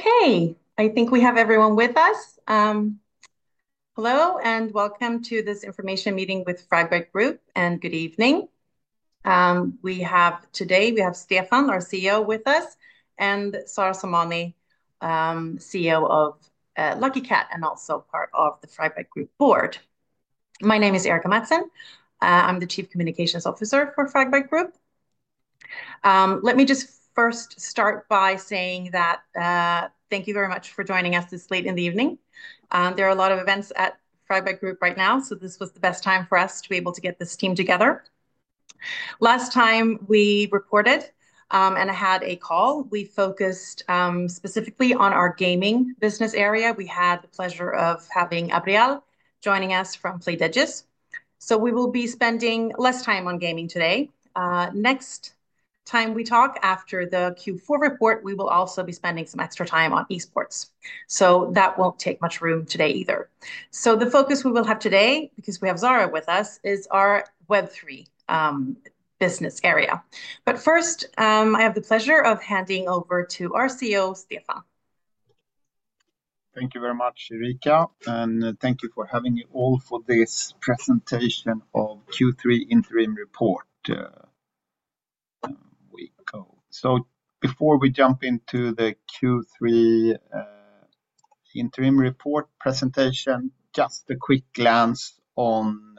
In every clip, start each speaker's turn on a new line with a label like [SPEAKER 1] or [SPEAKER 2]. [SPEAKER 1] Okay, I think we have everyone with us. Hello, and welcome to this information meeting with Fragbite Group, and good evening. Today we have Stefan, our CEO, with us, and Zara Zamani, CEO of Lucky Kat and also part of the Fragbite Group board. My name is Erika Mattsson. I'm the Chief Communications Officer for Fragbite Group. Let me just first start by saying that thank you very much for joining us this late in the evening. There are a lot of events at Fragbite Group right now, so this was the best time for us to be able to get this team together. Last time we reported and had a call, we focused specifically on our gaming business area. We had the pleasure of having Abrial joining us from Playdigious. So we will be spending less time on gaming today. Next time we talk after the Q4 report, we will also be spending some extra time on esports. So that won't take much room today either. So the focus we will have today, because we have Zara with us, is our Web3 business area. But first, I have the pleasure of handing over to our CEO, Stefan.
[SPEAKER 2] Thank you very much, Erika, and thank you for having you all for this presentation of Q3 Interim Report. So before we jump into the Q3 Interim Report presentation, just a quick glance on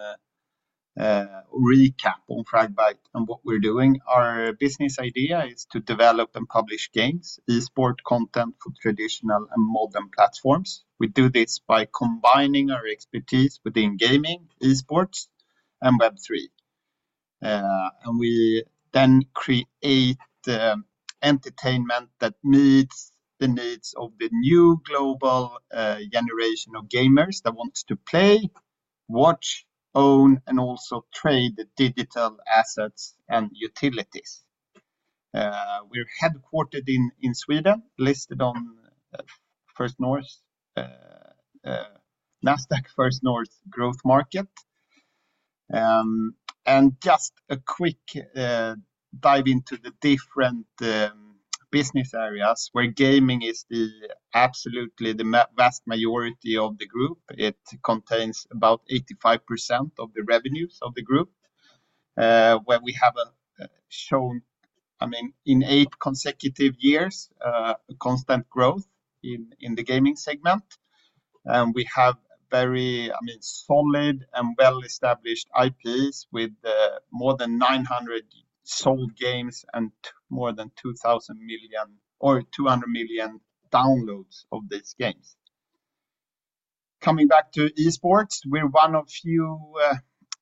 [SPEAKER 2] a recap on Fragbite and what we're doing. Our business idea is to develop and publish games, esports content for traditional and modern platforms. We do this by combining our expertise within gaming, esports, and Web3. And we then create entertainment that meets the needs of the new global generation of gamers that want to play, watch, own, and also trade digital assets and utilities. We're headquartered in Sweden, listed on First North, Nasdaq First North Growth Market, and just a quick dive into the different business areas where gaming is absolutely the vast majority of the group. It contains about 85% of the revenues of the group, where we haven't shown, I mean, in eight consecutive years, constant growth in the gaming segment. We have very solid and well-established IPs with more than 900 sold games and more than 2000 million or 200 million downloads of these games. Coming back to esports, we're one of few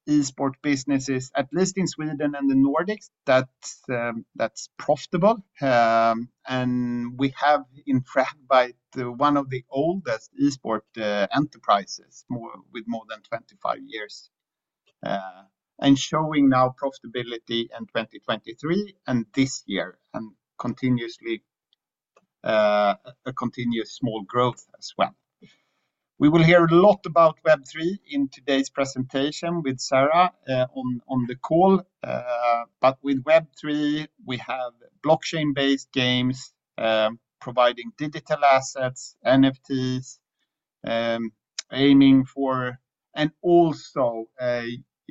[SPEAKER 2] esports businesses, at least in Sweden and the Nordics, that's profitable. We have in Fragbite one of the oldest esports enterprises with more than 25 years and showing now profitability in 2023 and this year and continuously small growth as well. We will hear a lot about Web3 in today's presentation with Zara on the call, but with Web3, we have blockchain-based games providing digital assets, NFTs, aiming for and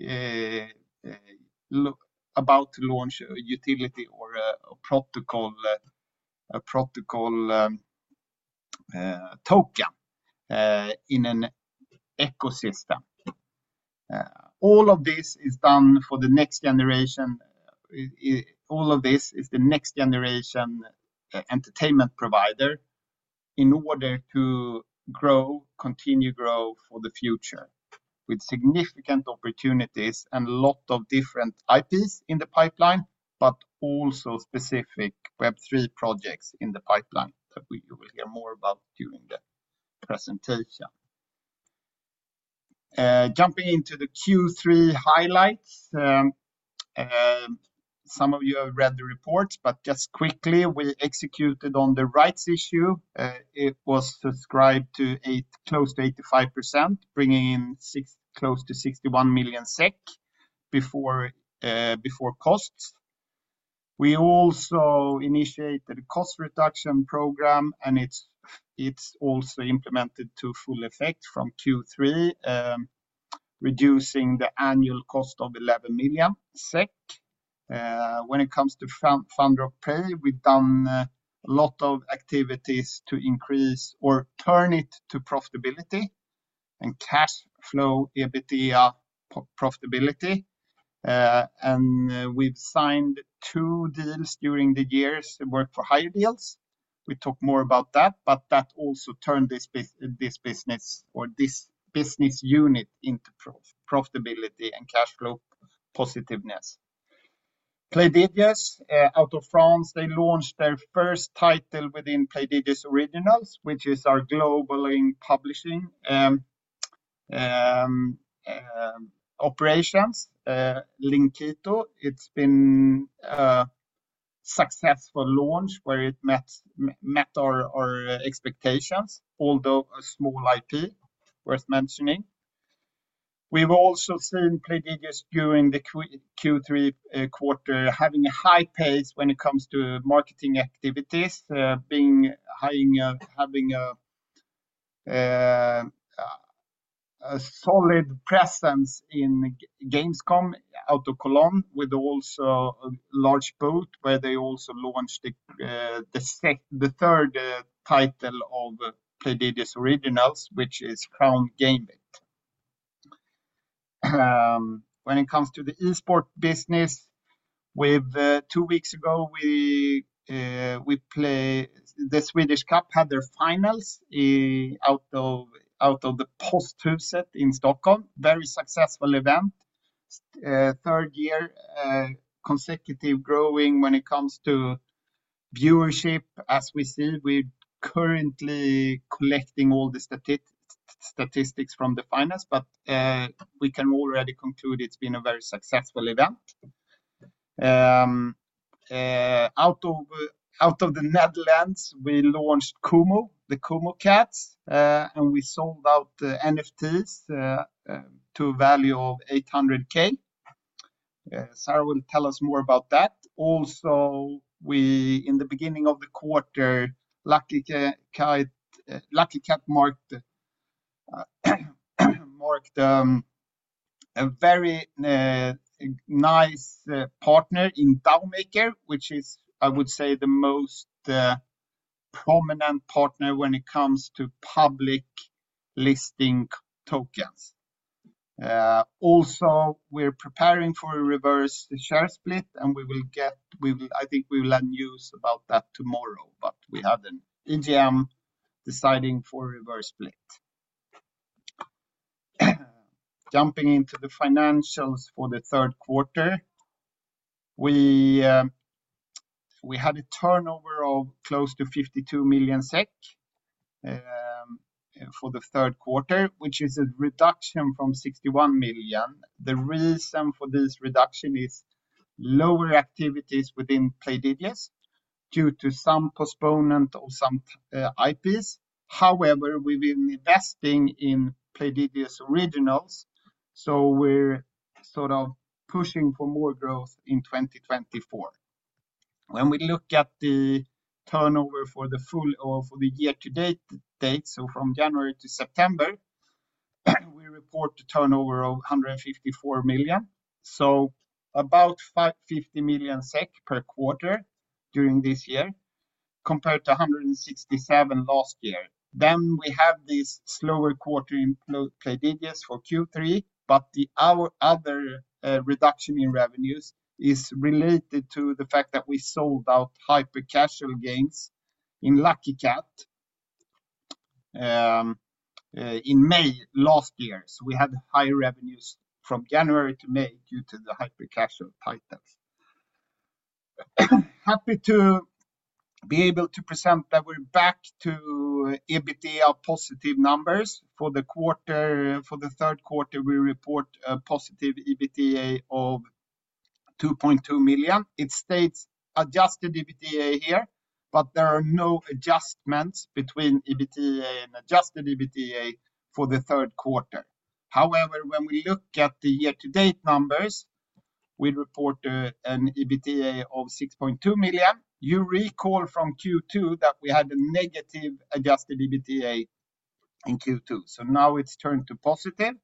[SPEAKER 2] also about to launch a utility or a protocol token in an ecosystem. All of this is done for the next generation. All of this is the next generation entertainment provider in order to grow, continue to grow for the future with significant opportunities and a lot of different IPs in the pipeline, but also specific Web3 projects in the pipeline that we will hear more about during the presentation. Jumping into the Q3 highlights, some of you have read the reports, but just quickly, we executed on the rights issue. It was subscribed to close to 85%, bringing in close to 61 million SEK before costs. We also initiated a cost reduction program, and it's also implemented to full effect from Q3, reducing the annual cost of 11 million SEK. When it comes to FunRock, we've done a lot of activities to increase or turn it to profitability and cash flow profitability. We've signed two deals during the years and worked for higher deals. We talk more about that, but that also turned this business or this business unit into profitability and cash flow positiveness. Playdigious, out of France, they launched their first title within Playdigious Originals, which is our global publishing operations, Linkito. It's been a successful launch where it met our expectations, although a small IP worth mentioning. We've also seen Playdigious during the Q3 quarter having a high pace when it comes to marketing activities, having a solid presence in Gamescom out of Cologne with also a large booth where they also launched the third title of Playdigious Originals, which is Crown Gambit. When it comes to the esports business, two weeks ago, the Swedish Cup had its finals at the Postpalatset in Stockholm, very successful event, third consecutive year growing when it comes to viewership. As we see, we're currently collecting all the statistics from the finals, but we can already conclude it's been a very successful event. From the Netherlands, we launched Kumo, the Kumo Cats, and we sold out the NFTs to a value of 800,000 Sui. Zara will tell us more about that. Also, in the beginning of the quarter, Lucky Kat studio made a very nice partnership with DAO Maker, which is, I would say, the most prominent partner when it comes to publicly listing tokens. Also, we're preparing for a reverse share split, and we will get, I think we will have news about that tomorrow, but we have an EGM deciding for a reverse split. Jumping into the financials for the third quarter, we had a turnover of close to 52 million SEK for the third quarter, which is a reduction from 61 million. The reason for this reduction is lower activities within Playdigious due to some postponement of some IPs. However, we've been investing in Playdigious Originals, so we're sort of pushing for more growth in 2024. When we look at the turnover for the full year-to-date, so from January to September, we report a turnover of 154 million. So about 50 million SEK per quarter during this year compared to 167 million last year. Then we have this slower quarter in Playdigious for Q3, but the other reduction in revenues is related to the fact that we sold out hyper-casual games in Lucky Kat in May last year. So we had higher revenues from January to May due to the hyper-casual titles. Happy to be able to present that we're back to EBITDA positive numbers for the quarter. For the third quarter, we report a positive EBITDA of 2.2 million. It states adjusted EBITDA here, but there are no adjustments between EBITDA and adjusted EBITDA for the third quarter. However, when we look at the year-to-date numbers, we report an EBITDA of 6.2 million. You recall from Q2 that we had a negative adjusted EBITDA in Q2. So now it's turned to positive.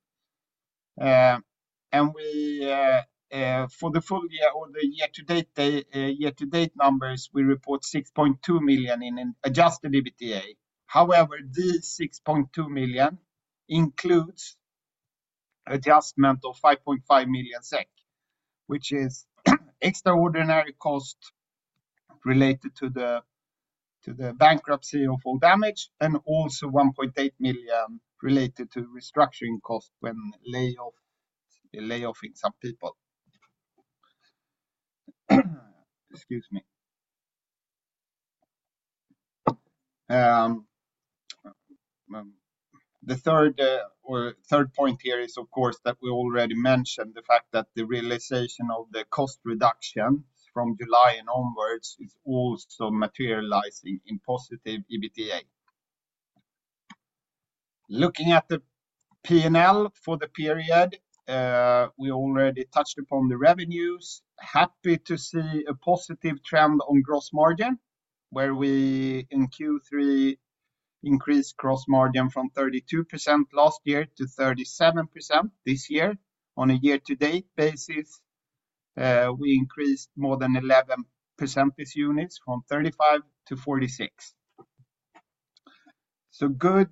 [SPEAKER 2] And for the full year or the year-to-date numbers, we report 6.2 million in adjusted EBITDA. However, these 6.2 million includes adjustment of 5.5 million SEK, which is extraordinary cost related to the bankruptcy of Fall Damage and also 1.8 million related to restructuring cost when laying off some people. Excuse me. The third point here is, of course, that we already mentioned the fact that the realization of the cost reduction from July and onwards is also materializing in positive EBITDA. Looking at the P&L for the period, we already touched upon the revenues. Happy to see a positive trend on gross margin, where we in Q3 increased gross margin from 32% last year to 37% this year. On a year-to-date basis, we increased more than 11 percentage points from 35% to 46%. So good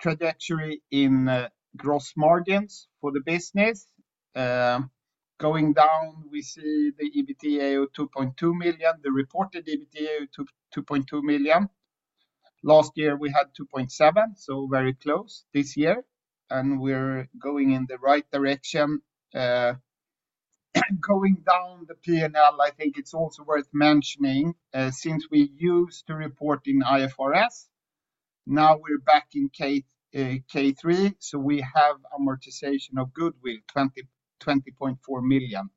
[SPEAKER 2] trajectory in gross margins for the business. Going down, we see the EBITDA of 2.2 million, the reported EBITDA of 2.2 million. Last year, we had 2.7, so very close this year, and we're going in the right direction. Going down the P&L, I think it's also worth mentioning since we used to report in IFRS, now we're back in K3, so we have amortization of goodwill, 20.4 million.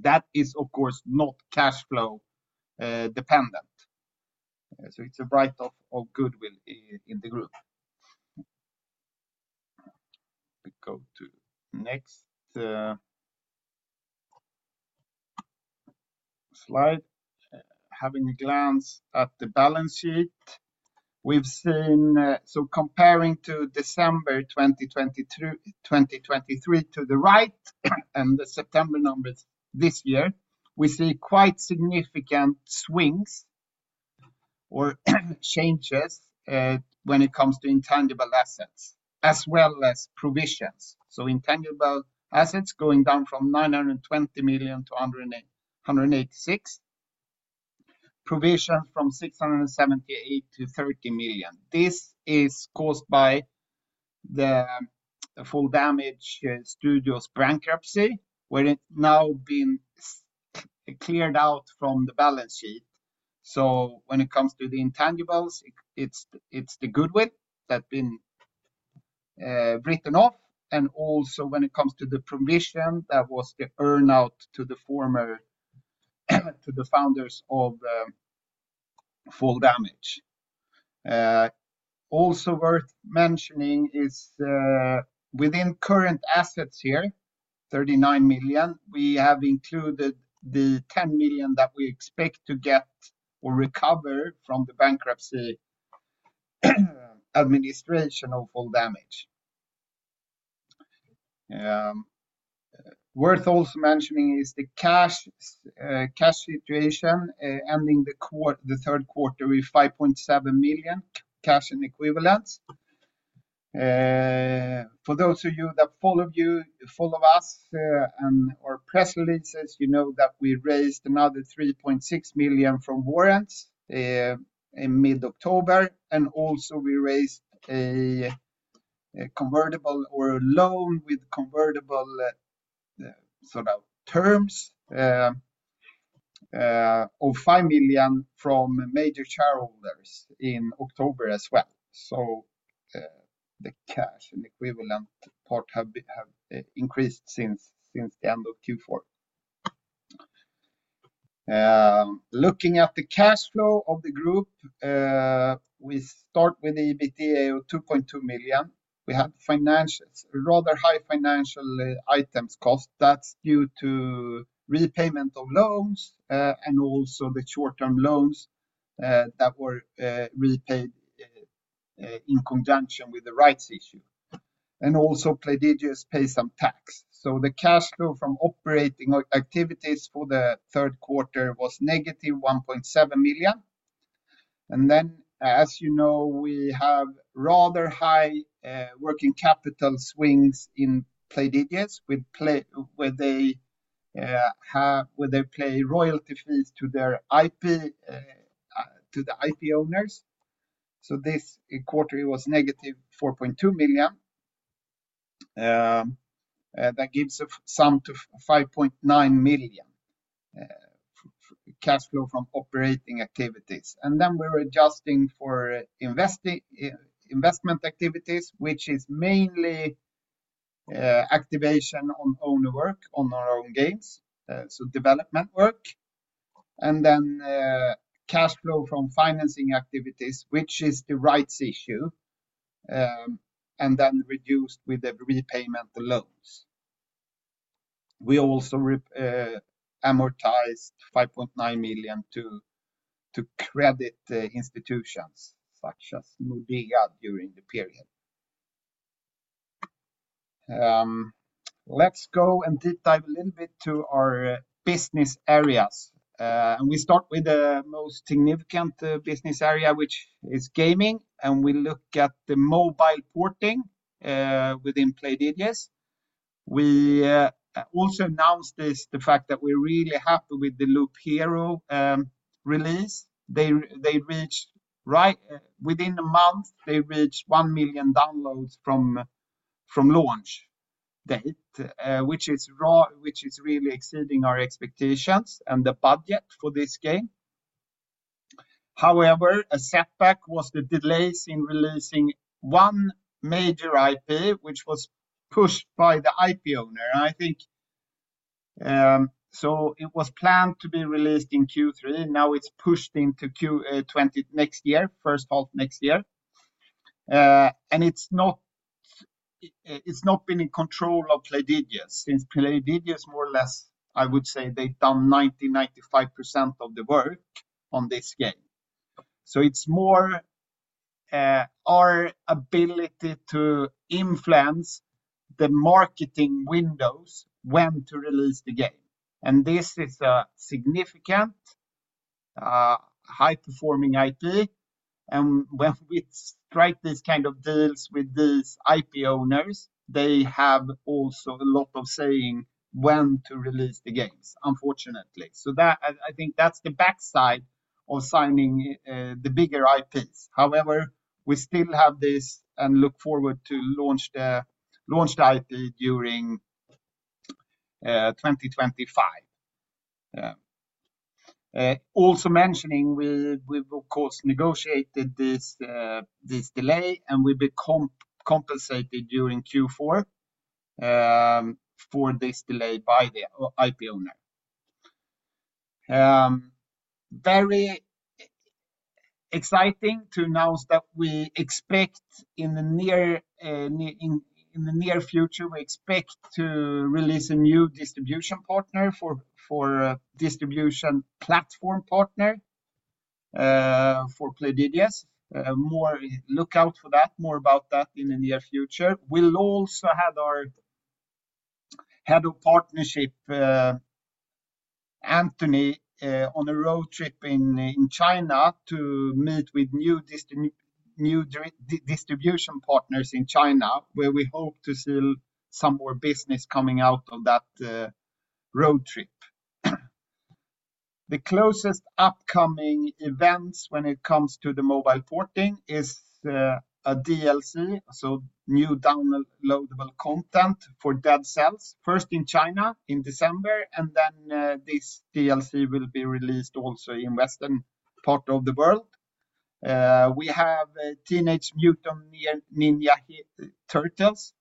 [SPEAKER 2] That is, of course, not cash flow dependent. So it's a write-off of goodwill in the group. Go to next slide. Having a glance at the balance sheet, we've seen, so comparing to December 2023 to the right and the September numbers this year, we see quite significant swings or changes when it comes to intangible assets as well as provisions. So intangible assets going down from 920 million to 186 million, provision from 678 million to 30 million. This is caused by the Fall Damage studio's bankruptcy, where it's now been cleared out from the balance sheet. When it comes to the intangibles, it's the goodwill that's been written off. Also when it comes to the provision, that was the earn-out to the founders of Fall Damage. Also worth mentioning is within current assets here, 39 million, we have included the 10 million that we expect to get or recover from the bankruptcy administration of Fall Damage. It is also worth mentioning the cash situation ending the third quarter with 5.7 million cash and equivalents. For those of you that follow us and our press releases, you know that we raised another 3.6 million from warrants in mid-October. Also we raised a convertible or a loan with convertible sort of terms of 5 million from major shareholders in October as well. The cash and equivalent part have increased since the end of Q4. Looking at the cash flow of the group, we start with EBITDA of 2.2 million. We had financial items, rather high financial items cost. That's due to repayment of loans and also the short-term loans that were repaid in conjunction with the rights issue, and also Playdigious pays some tax. The cash flow from operating activities for the third quarter was negative 1.7 million. Then, as you know, we have rather high working capital swings in Playdigious where they pay royalty fees to the IP owners. This quarter was negative 4.2 million. That gives a sum to 5.9 million cash flow from operating activities. We're adjusting for investment activities, which is mainly capitalization of own work on our own games, so development work. Cash flow from financing activities is the rights issue, and then reduced with the repayment loans. We also amortized 5.9 million to credit institutions such as Nordea during the period. Let's go and deep dive a little bit to our business areas, and we start with the most significant business area, which is gaming, and we look at the mobile porting within Playdigious. We also announced the fact that we're really happy with the Loop Hero release. Within a month, they reached one million downloads from launch date, which is really exceeding our expectations and the budget for this game. However, a setback was the delays in releasing one major IP, which was pushed by the IP owner, so it was planned to be released in Q3. Now it's pushed into Q2 next year, first half next year, and it's not been in control of Playdigious since Playdigious, more or less, I would say they've done 90%-95% of the work on this game. So it's more our ability to influence the marketing windows when to release the game. And this is a significant, high-performing IP. And when we strike these kind of deals with these IP owners, they have also a lot of say in when to release the games, unfortunately. So I think that's the downside of signing the bigger IPs. However, we still have this and look forward to launch the IP during 2025. Also mentioning, we've of course negotiated this delay, and we've been compensated during Q4 for this delay by the IP owner. Very exciting to announce that we expect in the near future to release a new distribution platform partner for Playdigious. Look out for that, more about that in the near future. We'll also have our head of partnership, Anthony, on a road trip in China to meet with new distribution partners in China, where we hope to see some more business coming out of that road trip. The closest upcoming events when it comes to the mobile porting is a DLC, so new downloadable content for Dead Cells, first in China in December, and then this DLC will be released also in the western part of the world. We have Teenage Mutant Ninja Turtles,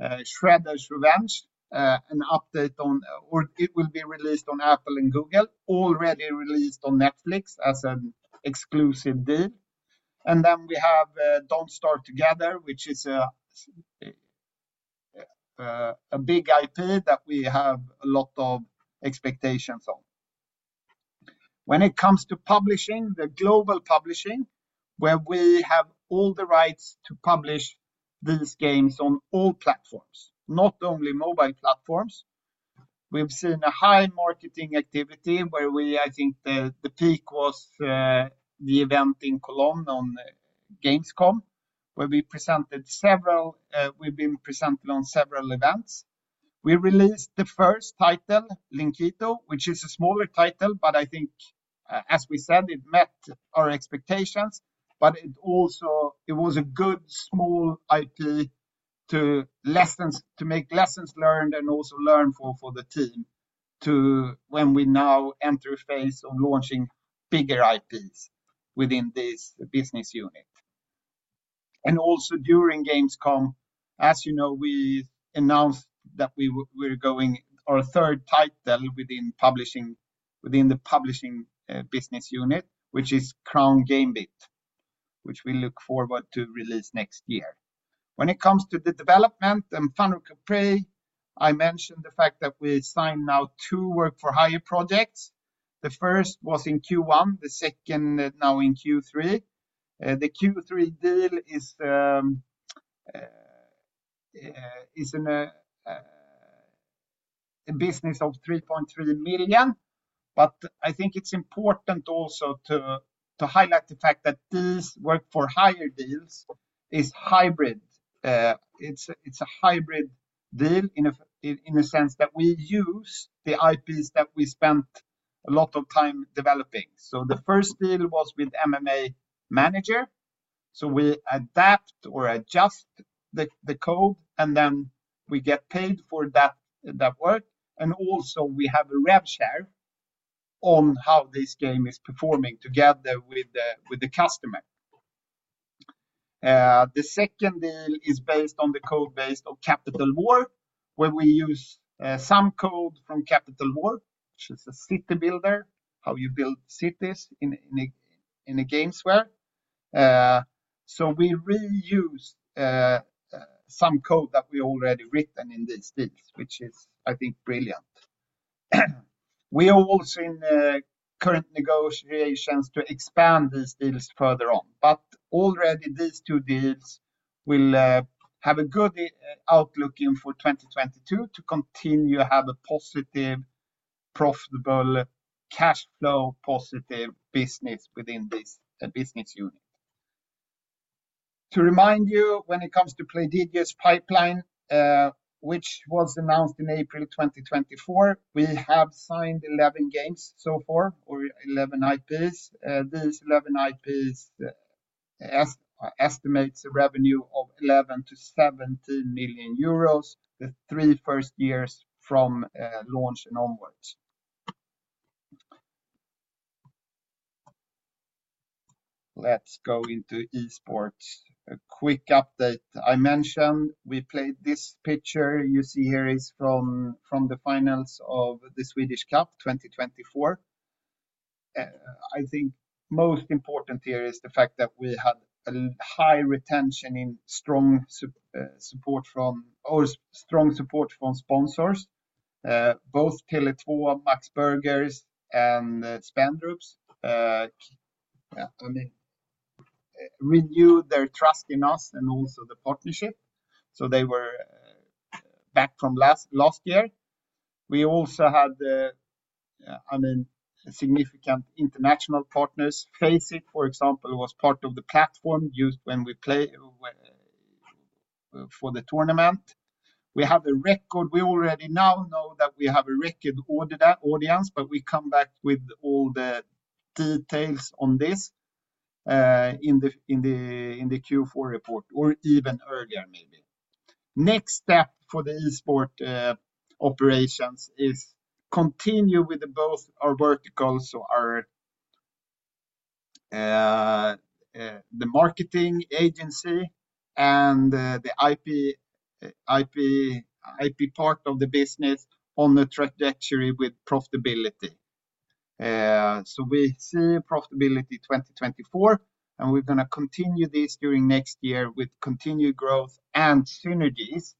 [SPEAKER 2] Shredder's Revenge, an update on, or it will be released on Apple and Google, already released on Netflix as an exclusive deal. Then we have Don't Starve Together, which is a big IP that we have a lot of expectations on. When it comes to publishing, the global publishing, where we have all the rights to publish these games on all platforms, not only mobile platforms. We've seen a high marketing activity where we, I think the peak was the event in Cologne on Gamescom, where we presented several. We've been presented on several events. We released the first title, Linkito, which is a smaller title, but I think, as we said, it met our expectations. But it was a good small IP to make lessons learned and also learn for the team when we now enter a phase of launching bigger IPs within this business unit. And also during Gamescom, as you know, we announced that we're going our third title within the publishing business unit, which is Crown Gambit, which we look forward to release next year. When it comes to the development and FunRock, I mentioned the fact that we signed now two work-for-hire projects. The first was in Q1, the second now in Q3. The Q3 deal is a business of 3.3 million, but I think it's important also to highlight the fact that these work-for-hire deals is hybrid. It's a hybrid deal in a sense that we use the IPs that we spent a lot of time developing. So the first deal was with MMA Manager. So we adapt or adjust the code, and then we get paid for that work. And also we have a rev share on how this game is performing together with the customer. The second deal is based on the code base of Capital War, where we use some code from Capital War, which is a city builder, how you build cities in a game software. So we reuse some code that we already written in these deals, which is, I think, brilliant. We are also in current negotiations to expand these deals further on. But already these two deals will have a good outlook in for 2022 to continue to have a positive, profitable, cash flow positive business within this business unit. To remind you, when it comes to Playdigious pipeline, which was announced in April 2024, we have signed 11 games so far, or 11 IPs. These 11 IPs estimate the revenue of 11-17 million euros the three first years from launch and onwards. Let's go into esports. A quick update. I mentioned we played this picture you see here is from the finals of the Swedish Cup 2024. I think most important here is the fact that we had a high retention in strong support from sponsors, both Tele2, MAX Burgers, and Spendrups. Renewed their trust in us and also the partnership. So they were back from last year. We also had, I mean, significant international partners. FACEIT, for example, was part of the platform used when we play for the tournament. We have a record. We already now know that we have a record audience, but we come back with all the details on this in the Q4 report or even earlier, maybe. Next step for the esports operations is continue with both our verticals, so the marketing agency and the IP part of the business on the trajectory with profitability. So we see profitability 2024, and we're going to continue this during next year with continued growth and synergies.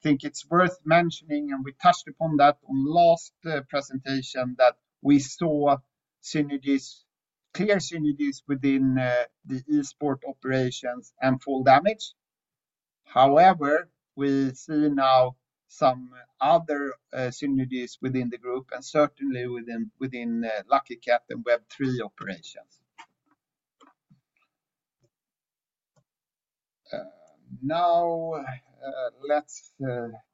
[SPEAKER 2] I think it's worth mentioning, and we touched upon that on last presentation, that we saw clear synergies within the esports operations and Fall Damage. However, we see now some other synergies within the group and certainly within Lucky Kat and Web3 operations. Now let's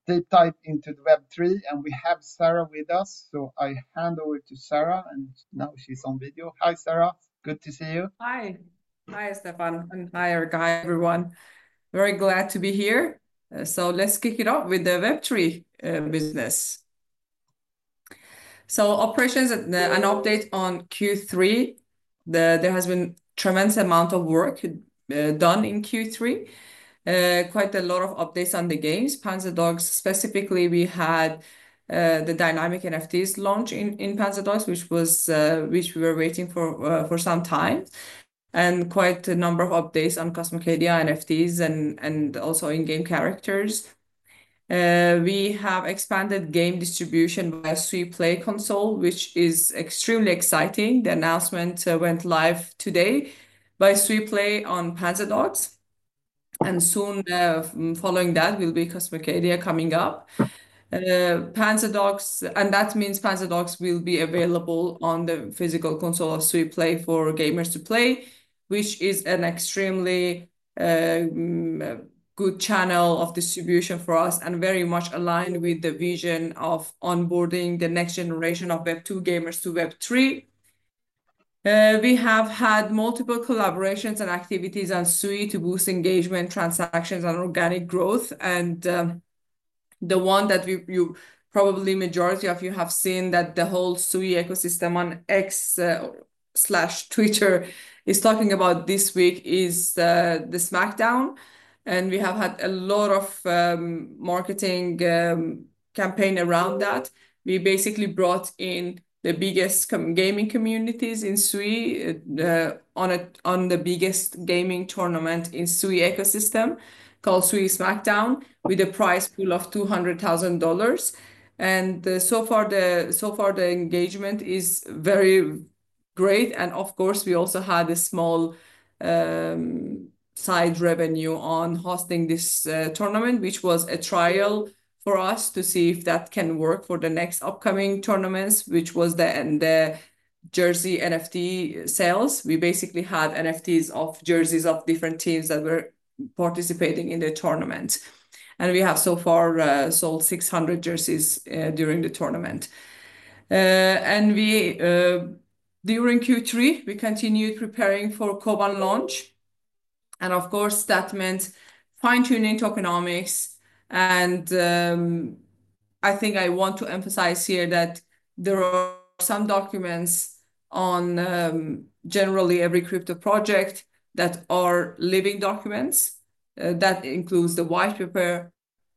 [SPEAKER 2] deep dive into the Web3, and we have Zara with us. I hand over to Zara, and now she's on video. Hi, Zara. Good to see you.
[SPEAKER 3] Hi. Hi, Stefan. And hi, Erika, everyone. Very glad to be here. Let's kick it off with the Web3 business. Operations and update on Q3. There has been a tremendous amount of work done in Q3. Quite a lot of updates on the games. Panzerdogs, specifically, we had the dynamic NFTs launch in Panzerdogs, which we were waiting for some time. And quite a number of updates on Cosmocadia NFTs and also in-game characters. We have expanded game distribution by SuiPlay0X1, which is extremely exciting. The announcement went live today by SuiPlay0X1 on Panzerdogs. And soon following that, we'll be Cosmocadia coming up. That means Panzerdogs will be available on the physical console of SuiPlay0X1 for gamers to play, which is an extremely good channel of distribution for us and very much aligned with the vision of onboarding the next generation of Web2 gamers to Web3. We have had multiple collaborations and activities on Sui to boost engagement, transactions, and organic growth. The one that you probably majority of you have seen that the whole Sui ecosystem on X/Twitter is talking about this week is the Smackdown. We have had a lot of marketing campaign around that. We basically brought in the biggest gaming communities in Sui on the biggest gaming tournament in Sui ecosystem called Sui Smackdown with a prize pool of $200,000. So far, the engagement is very great. Of course, we also had a small side revenue on hosting this tournament, which was a trial for us to see if that can work for the next upcoming tournaments, which was the Jersey NFT sales. We basically had NFTs of jerseys of different teams that were participating in the tournament. We have so far sold 600 jerseys during the tournament. During Q3, we continued preparing for Koban launch. Of course, that meant fine-tuning tokenomics. I think I want to emphasize here that there are some documents on generally every crypto project that are living documents. That includes the white paper,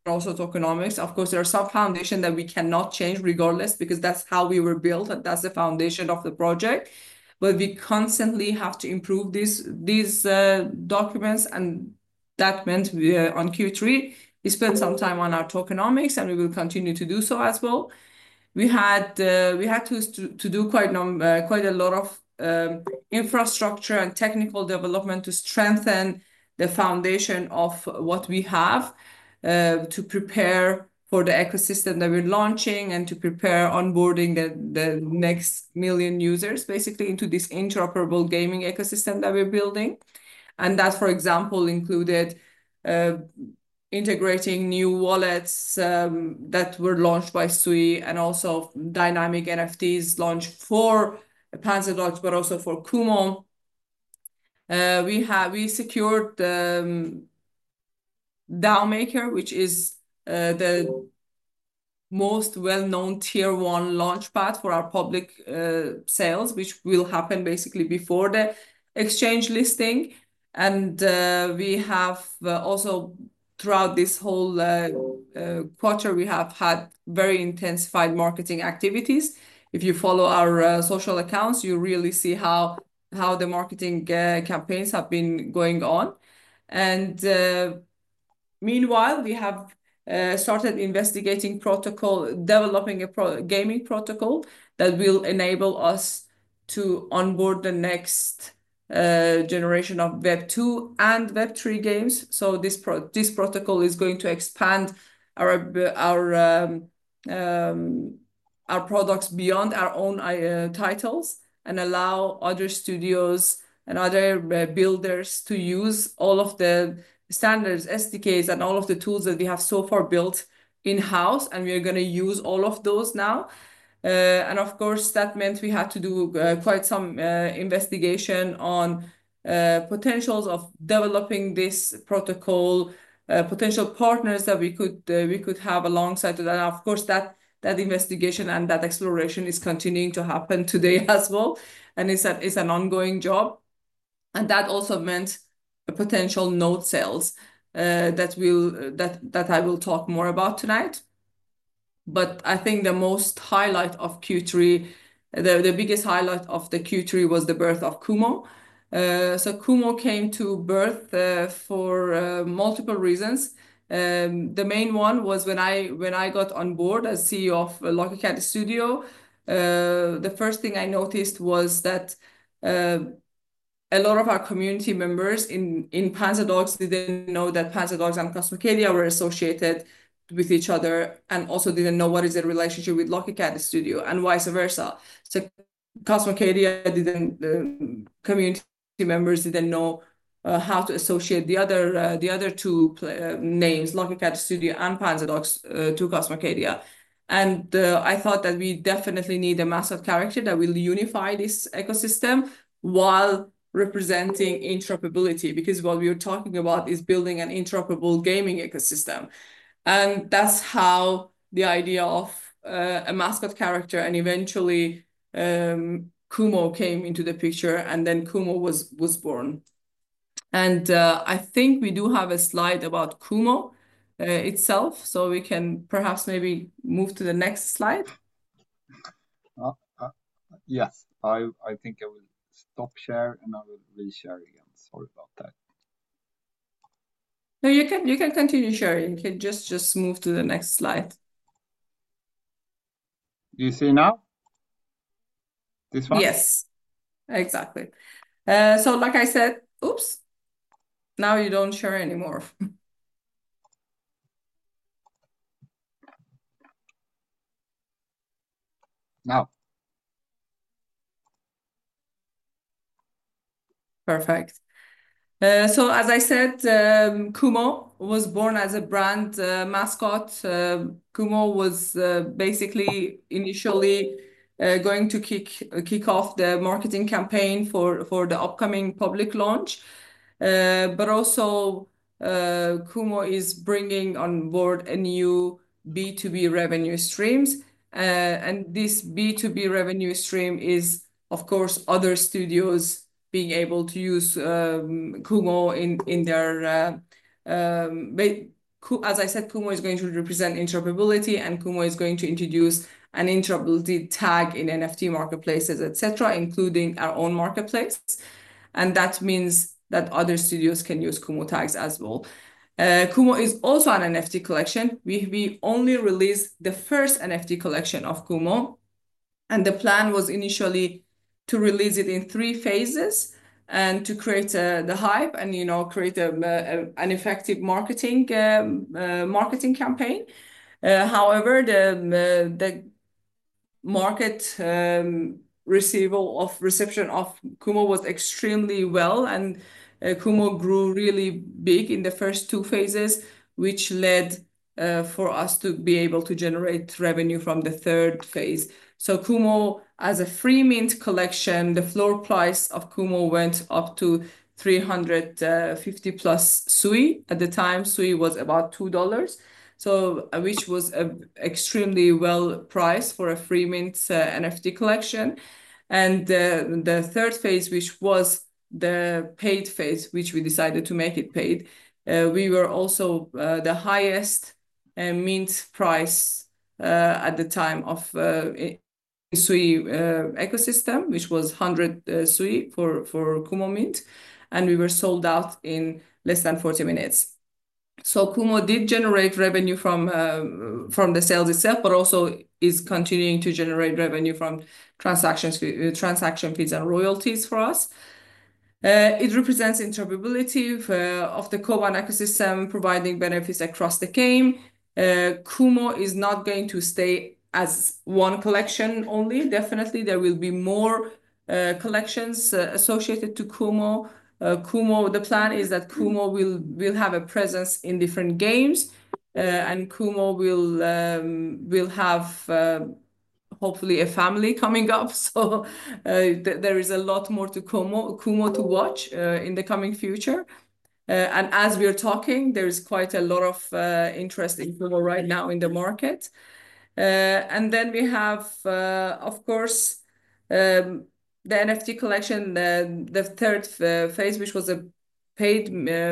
[SPEAKER 3] also tokenomics. Of course, there are some foundations that we cannot change regardless because that's how we were built. That's the foundation of the project. But we constantly have to improve these documents. That meant on Q3, we spent some time on our tokenomics, and we will continue to do so as well. We had to do quite a lot of infrastructure and technical development to strengthen the foundation of what we have to prepare for the ecosystem that we're launching and to prepare onboarding the next million users basically into this interoperable gaming ecosystem that we're building. That, for example, included integrating new wallets that were launched by Sui and also dynamic NFTs launched for Panzerdogs, but also for Kumo. We secured DAO Maker, which is the most well-known tier one launchpad for our public sales, which will happen basically before the exchange listing. We have also throughout this whole quarter had very intensified marketing activities. If you follow our social accounts, you really see how the marketing campaigns have been going on. And meanwhile, we have started investigating protocol, developing a gaming protocol that will enable us to onboard the next generation of Web2 and Web3 games. So this protocol is going to expand our products beyond our own titles and allow other studios and other builders to use all of the standards, SDKs, and all of the tools that we have so far built in-house. And we are going to use all of those now. And of course, that meant we had to do quite some investigation on potentials of developing this protocol, potential partners that we could have alongside of that. And of course, that investigation and that exploration is continuing to happen today as well. And it's an ongoing job. And that also meant potential node sales that I will talk more about tonight. But I think the most highlight of Q3, the biggest highlight of the Q3 was the birth of Kumo. So Kumo came to birth for multiple reasons. The main one was when I got on board as CEO of Lucky Kat Studio. The first thing I noticed was that a lot of our community members in Panzerdogs didn't know that Panzerdogs and Cosmocadia were associated with each other and also didn't know what is the relationship with Lucky Kat Studio and vice versa. So Cosmocadia didn't, community members didn't know how to associate the other two names, Lucky Kat Studio and Panzerdogs to Cosmocadia. And I thought that we definitely need a mascot character that will unify this ecosystem while representing interoperability because what we were talking about is building an interoperable gaming ecosystem. And that's how the idea of a mascot character and eventually Kumo came into the picture and then Kumo was born. And I think we do have a slide about Kumo itself, so we can perhaps maybe move to the next slide.
[SPEAKER 2] Yes, I think I will stop sharing and I will re-share again. Sorry about that.
[SPEAKER 3] No, you can continue sharing. You can just move to the next slide.
[SPEAKER 2] Do you see now? This one?
[SPEAKER 3] Yes, exactly. So like I said, oops, now you don't share anymore.
[SPEAKER 2] Now.
[SPEAKER 3] Perfect. So as I said, Kumo was born as a brand mascot. Kumo was basically initially going to kick off the marketing campaign for the upcoming public launch. But also Kumo is bringing on board a new B2B revenue streams. This B2B revenue stream is, of course, other studios being able to use Kumo in their, as I said, Kumo is going to represent interoperability and Kumo is going to introduce an interoperability tag in NFT marketplaces, etc., including our own marketplace. That means that other studios can use Kumo tags as well. Kumo is also an NFT collection. We only released the first NFT collection of Kumo. The plan was initially to release it in three phases and to create the hype and create an effective marketing campaign. However, the market reception of Kumo was extremely well and Kumo grew really big in the first two phases, which led for us to be able to generate revenue from the third phase. Kumo as a free mint collection, the floor price of Kumo went up to 350+ Sui at the time. Sui was about $2, which was extremely well priced for a free mint NFT collection, and the third phase, which was the paid phase, which we decided to make it paid, we were also the highest mint price at the time of Sui ecosystem, which was 100 Sui for Kumo mint, and we were sold out in less than 40 minutes, so Kumo did generate revenue from the sales itself, but also is continuing to generate revenue from transaction fees and royalties for us. It represents interoperability of the Koban ecosystem, providing benefits across the game. Kumo is not going to stay as one collection only. Definitely, there will be more collections associated to Kumo. The plan is that Kumo will have a presence in different games and Kumo will have hopefully a family coming up, so there is a lot more to Kumo to watch in the coming future. As we are talking, there is quite a lot of interest in Kumo right now in the market. Then we have, of course, the NFT collection, the third phase, which was a paid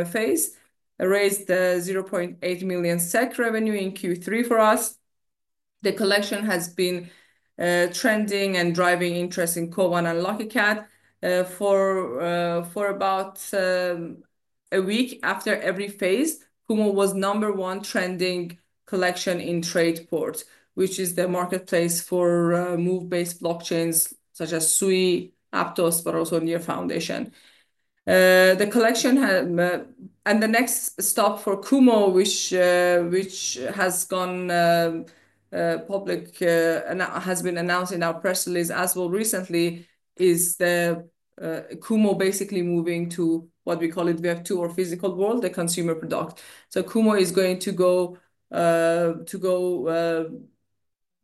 [SPEAKER 3] phase, raised 0.8 million SEK revenue in Q3 for us. The collection has been trending and driving interest in Koban and Lucky Kat for about a week after every phase. Kumo was number one trending collection in TradePort, which is the marketplace for Move-based blockchains such as Sui, Aptos, but also Near Foundation. The next stop for Kumo, which has gone public and has been announced in our press release as well recently, is Kumo basically moving to what we call it Web2 or physical world, the consumer product. Kumo is going to go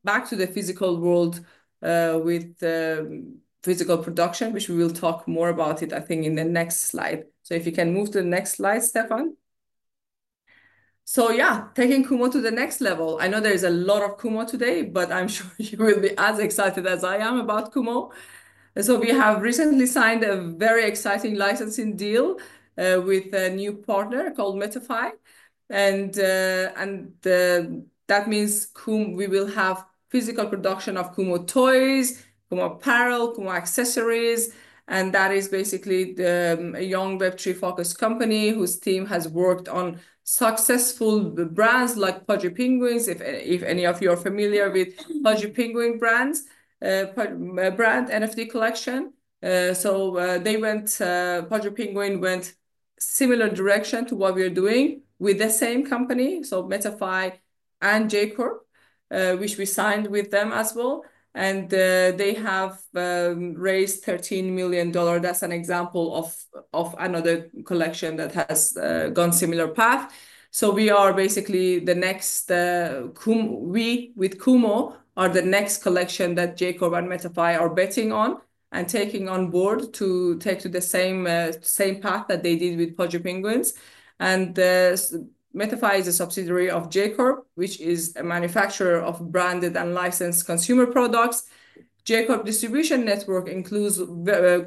[SPEAKER 3] back to the physical world with physical production, which we will talk more about, I think, in the next slide. If you can move to the next slide, Stefan. Yeah, taking Kumo to the next level. I know there is a lot of Kumo today, but I'm sure you will be as excited as I am about Kumo. We have recently signed a very exciting licensing deal with a new partner called Mighty Mojo Toys. And that means we will have physical production of Kumo toys, Kumo apparel, Kumo accessories. And that is basically a young Web3-focused company whose team has worked on successful brands like Pudgy Penguins, if any of you are familiar with Pudgy Penguins brands, brand NFT collection. Pudgy Penguins went similar direction to what we are doing with the same company, so Mighty Mojo Toys and JCorp, which we signed with them as well. They have raised $13 million. That's an example of another collection that has gone a similar path. We are basically the next Kumo with Kumo are the next collection that JCorp and Mighty Mojo Toys are betting on and taking on board to take to the same path that they did with Pudgy Penguins. Mighty Mojo Toys is a subsidiary of JCorp, which is a manufacturer of branded and licensed consumer products. JCorp distribution network includes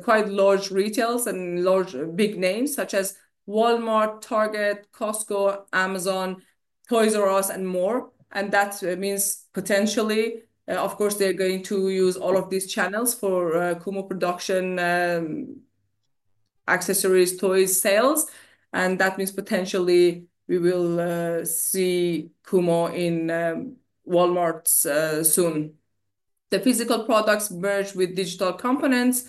[SPEAKER 3] quite large retailers and large big names such as Walmart, Target, Costco, Amazon, Toys R Us, and more. That means potentially, of course, they're going to use all of these channels for Kumo production, accessories, toys sales. That means potentially we will see Kumo in Walmart soon. The physical products merged with digital components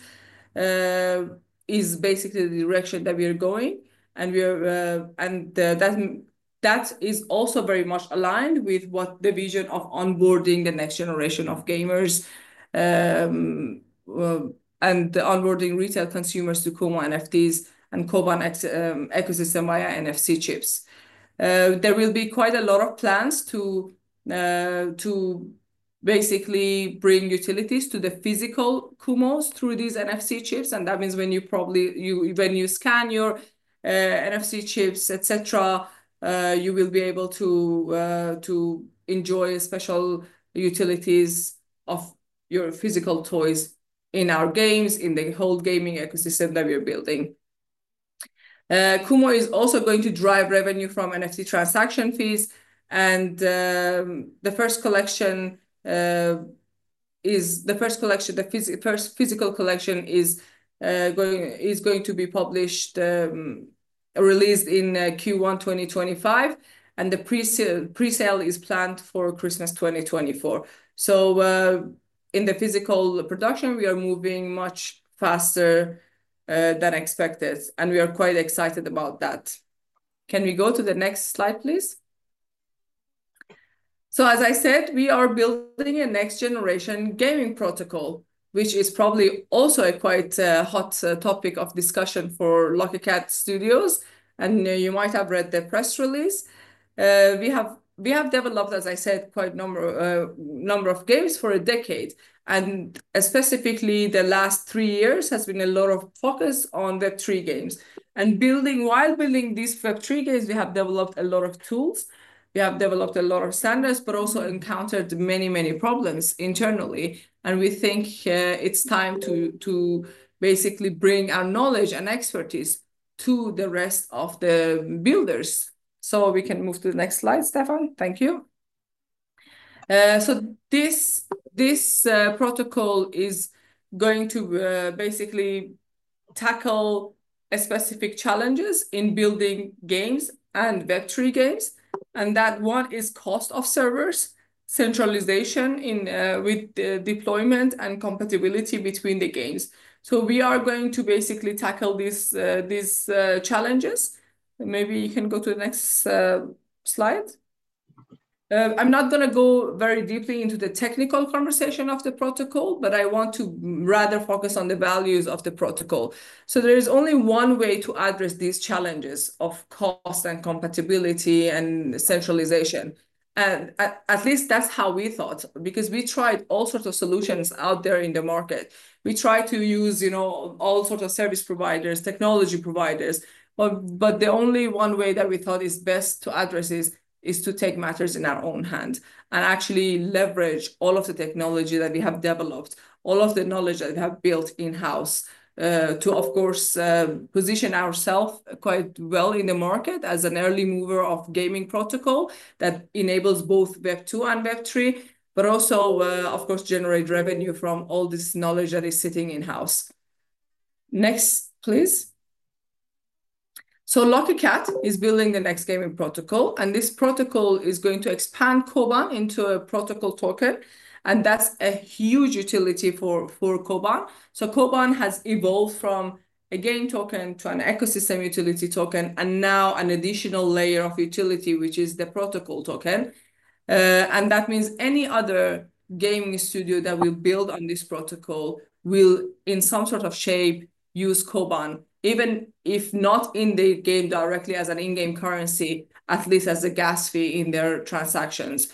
[SPEAKER 3] is basically the direction that we are going. And that is also very much aligned with what the vision of onboarding the next generation of gamers and onboarding retail consumers to Kumo NFTs and Koban ecosystem via NFC chips. There will be quite a lot of plans to basically bring utilities to the physical Kumos through these NFC chips. And that means when you scan your NFC chips, etc., you will be able to enjoy special utilities of your physical toys in our games, in the whole gaming ecosystem that we are building. Kumo is also going to drive revenue from NFT transaction fees. And the first collection, the physical collection is going to be published, released in Q1 2025. And the presale is planned for Christmas 2024. So in the physical production, we are moving much faster than expected. And we are quite excited about that. Can we go to the next slide, please? So as I said, we are building a next generation gaming protocol, which is probably also a quite hot topic of discussion for Lucky Kat Studios. And you might have read the press release. We have developed, as I said, quite a number of games for a decade. And specifically, the last three years has been a lot of focus on Web3 games. And while building these Web3 games, we have developed a lot of tools. We have developed a lot of standards, but also encountered many, many problems internally. And we think it's time to basically bring our knowledge and expertise to the rest of the builders. So we can move to the next slide, Stefan. Thank you. So this protocol is going to basically tackle specific challenges in building games and Web3 games. And that one is cost of servers, centralization with deployment and compatibility between the games. So we are going to basically tackle these challenges. Maybe you can go to the next slide. I'm not going to go very deeply into the technical conversation of the protocol, but I want to rather focus on the values of the protocol. So there is only one way to address these challenges of cost and compatibility and centralization. And at least that's how we thought because we tried all sorts of solutions out there in the market. We tried to use all sorts of service providers, technology providers. But the only one way that we thought is best to address is to take matters in our own hands and actually leverage all of the technology that we have developed, all of the knowledge that we have built in-house to, of course, position ourselves quite well in the market as an early mover of gaming protocol that enables both Web2 and Web3, but also, of course, generate revenue from all this knowledge that is sitting in-house. Next, please. So Lucky Kat is building the next gaming protocol. And this protocol is going to expand Koban into a protocol token. And that's a huge utility for Koban. So Koban has evolved from a game token to an ecosystem utility token and now an additional layer of utility, which is the protocol token. And that means any other gaming studio that will build on this protocol will, in some sort of shape, use Koban, even if not in the game directly as an in-game currency, at least as a gas fee in their transactions.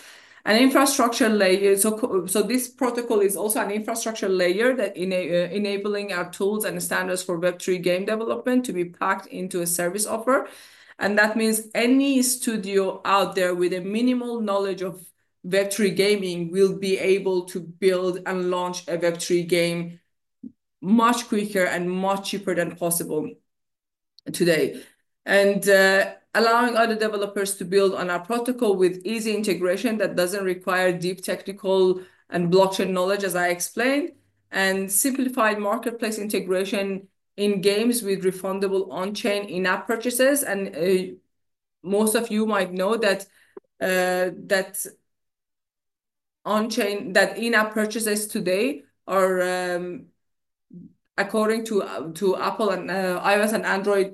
[SPEAKER 3] And infrastructure layer. So this protocol is also an infrastructure layer that is enabling our tools and standards for Web3 game development to be packed into a service offer. And that means any studio out there with a minimal knowledge of Web3 gaming will be able to build and launch a Web3 game much quicker and much cheaper than possible today. And allowing other developers to build on our protocol with easy integration that doesn't require deep technical and blockchain knowledge, as I explained, and simplified marketplace integration in games with refundable on-chain in-app purchases. Most of you might know that on-chain that in-app purchases today are, according to Apple and iOS and Android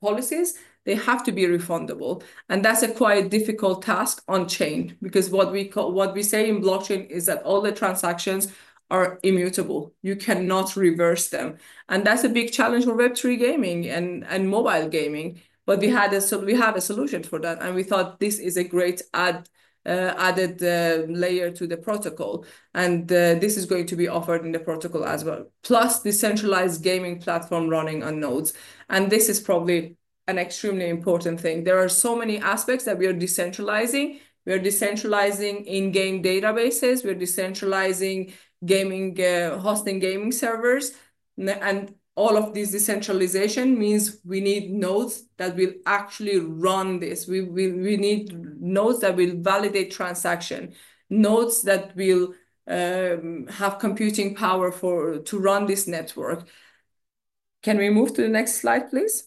[SPEAKER 3] policies, they have to be refundable. That's a quite difficult task on-chain because what we say in blockchain is that all the transactions are immutable. You cannot reverse them. That's a big challenge for Web3 gaming and mobile gaming. We have a solution for that. We thought this is a great added layer to the protocol. This is going to be offered in the protocol as well. Plus decentralized gaming platform running on nodes. This is probably an extremely important thing. There are so many aspects that we are decentralizing. We are decentralizing in-game databases. We are decentralizing hosting gaming servers. All of this decentralization means we need nodes that will actually run this. We need nodes that will validate transactions, nodes that will have computing power to run this network. Can we move to the next slide, please?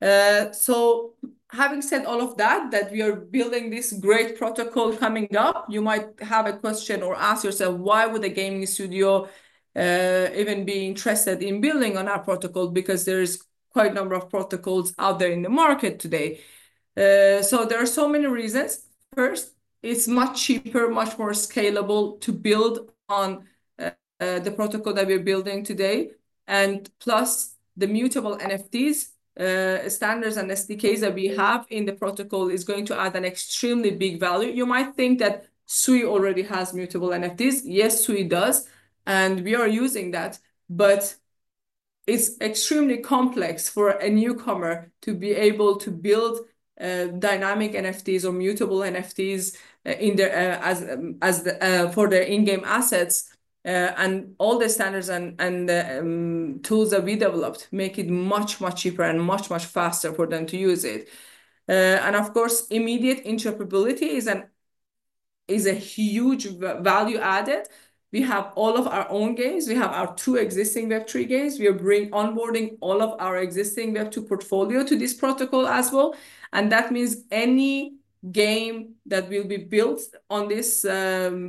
[SPEAKER 3] So having said all of that, that we are building this great protocol coming up, you might have a question or ask yourself, why would a gaming studio even be interested in building on our protocol? Because there is quite a number of protocols out there in the market today. So there are so many reasons. First, it's much cheaper, much more scalable to build on the protocol that we are building today. And plus the mutable NFTs, standards and SDKs that we have in the protocol is going to add an extremely big value. You might think that Sui already has mutable NFTs. Yes, Sui does. And we are using that. But it's extremely complex for a newcomer to be able to build dynamic NFTs or mutable NFTs for their in-game assets. And all the standards and tools that we developed make it much, much cheaper and much, much faster for them to use it. And of course, immediate interoperability is a huge value added. We have all of our own games. We have our two existing Web3 games. We are onboarding all of our existing Web2 portfolio to this protocol as well. And that means any game that will be built on this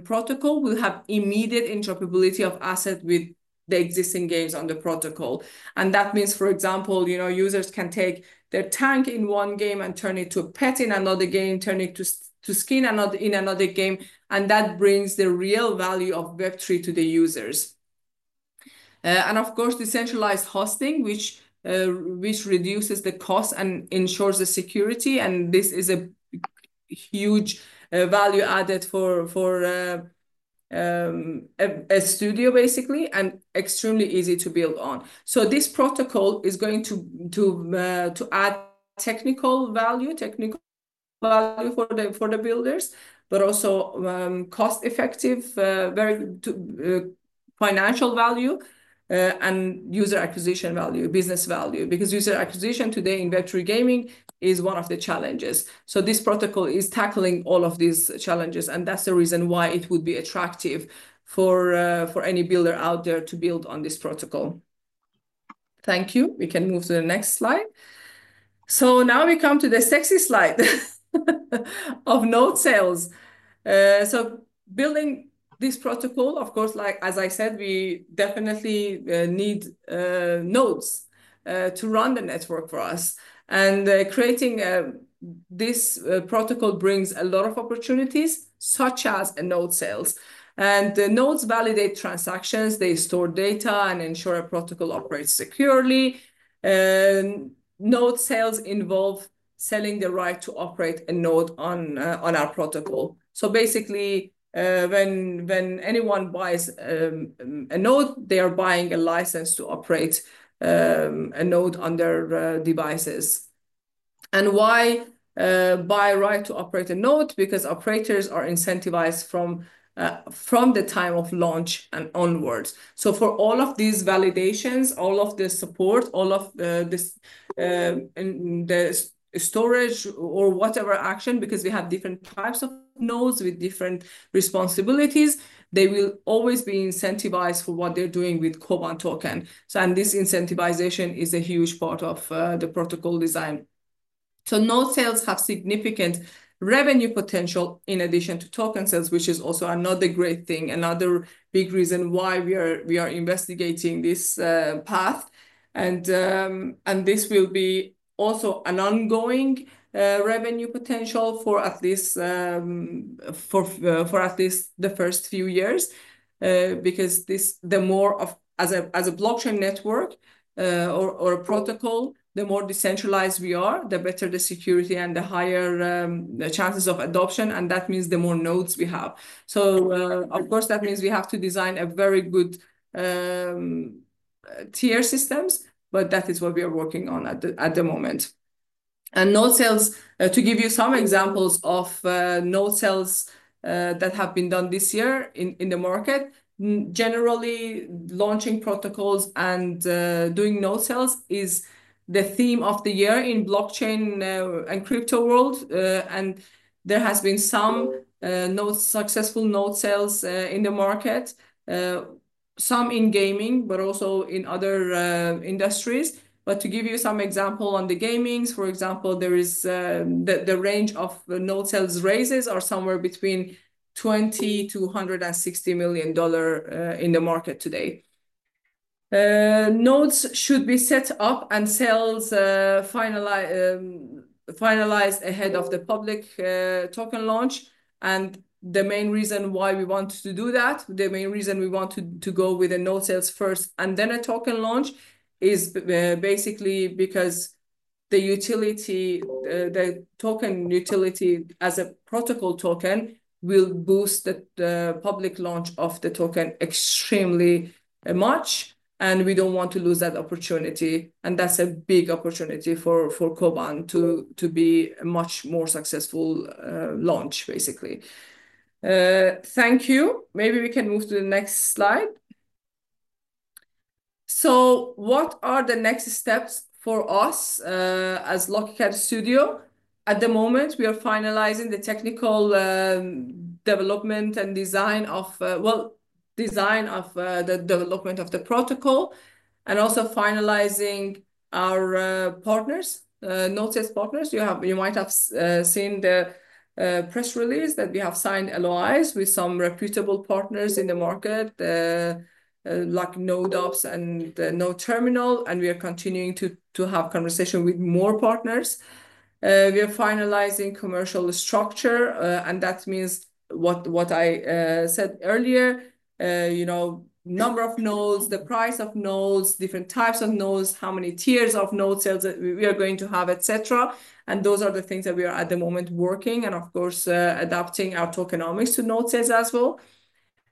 [SPEAKER 3] protocol will have immediate interoperability of assets with the existing games on the protocol. And that means, for example, users can take their tank in one game and turn it to a pet in another game, turn it to skin in another game. And that brings the real value of Web3 to the users. Of course, decentralized hosting, which reduces the cost and ensures the security. This is a huge value added for a studio, basically, and extremely easy to build on. This protocol is going to add technical value, technical value for the builders, but also cost-effective, financial value, and user acquisition value, business value, because user acquisition today in Web3 gaming is one of the challenges. This protocol is tackling all of these challenges. That's the reason why it would be attractive for any builder out there to build on this protocol. Thank you. We can move to the next slide. Now we come to the sexy slide of node sales. Building this protocol, of course, like as I said, we definitely need nodes to run the network for us. Creating this protocol brings a lot of opportunities, such as node sales. The nodes validate transactions. They store data and ensure a protocol operates securely. Node sales involve selling the right to operate a node on our protocol. So basically, when anyone buys a node, they are buying a license to operate a node on their devices. And why buy a right to operate a node? Because operators are incentivized from the time of launch and onwards. So for all of these validations, all of the support, all of the storage or whatever action, because we have different types of nodes with different responsibilities, they will always be incentivized for what they're doing with Koban token. And this incentivization is a huge part of the protocol design. So node sales have significant revenue potential in addition to token sales, which is also another great thing, another big reason why we are investigating this path. This will be also an ongoing revenue potential for at least the first few years, because the more nodes as a blockchain network or a protocol, the more decentralized we are, the better the security and the higher chances of adoption. And that means the more nodes we have. So of course, that means we have to design a very good tier systems, but that is what we are working on at the moment. And node sales, to give you some examples of node sales that have been done this year in the market, generally launching protocols and doing node sales is the theme of the year in blockchain and crypto world. And there has been some successful node sales in the market, some in gaming, but also in other industries. To give you some example on the gaming, for example, there is the range of node sales raises are somewhere between $20 million-$160 million in the market today. Nodes should be set up and sales finalized ahead of the public token launch. The main reason why we want to do that, the main reason we want to go with a node sales first and then a token launch is basically because the utility, the token utility as a protocol token will boost the public launch of the token extremely much. We don't want to lose that opportunity. That's a big opportunity for Koban to be a much more successful launch, basically. Thank you. Maybe we can move to the next slide. What are the next steps for us as Lucky Kat Studio? At the moment, we are finalizing the technical development and design of the development of the protocol and also finalizing our partners, node sales partners. You might have seen the press release that we have signed LOIs with some reputable partners in the market, like NodeOps and NodeTerminal. And we are continuing to have conversation with more partners. We are finalizing commercial structure. And that means what I said earlier, number of nodes, the price of nodes, different types of nodes, how many tiers of node sales we are going to have, et cetera. And those are the things that we are at the moment working and, of course, adapting our tokenomics to node sales as well.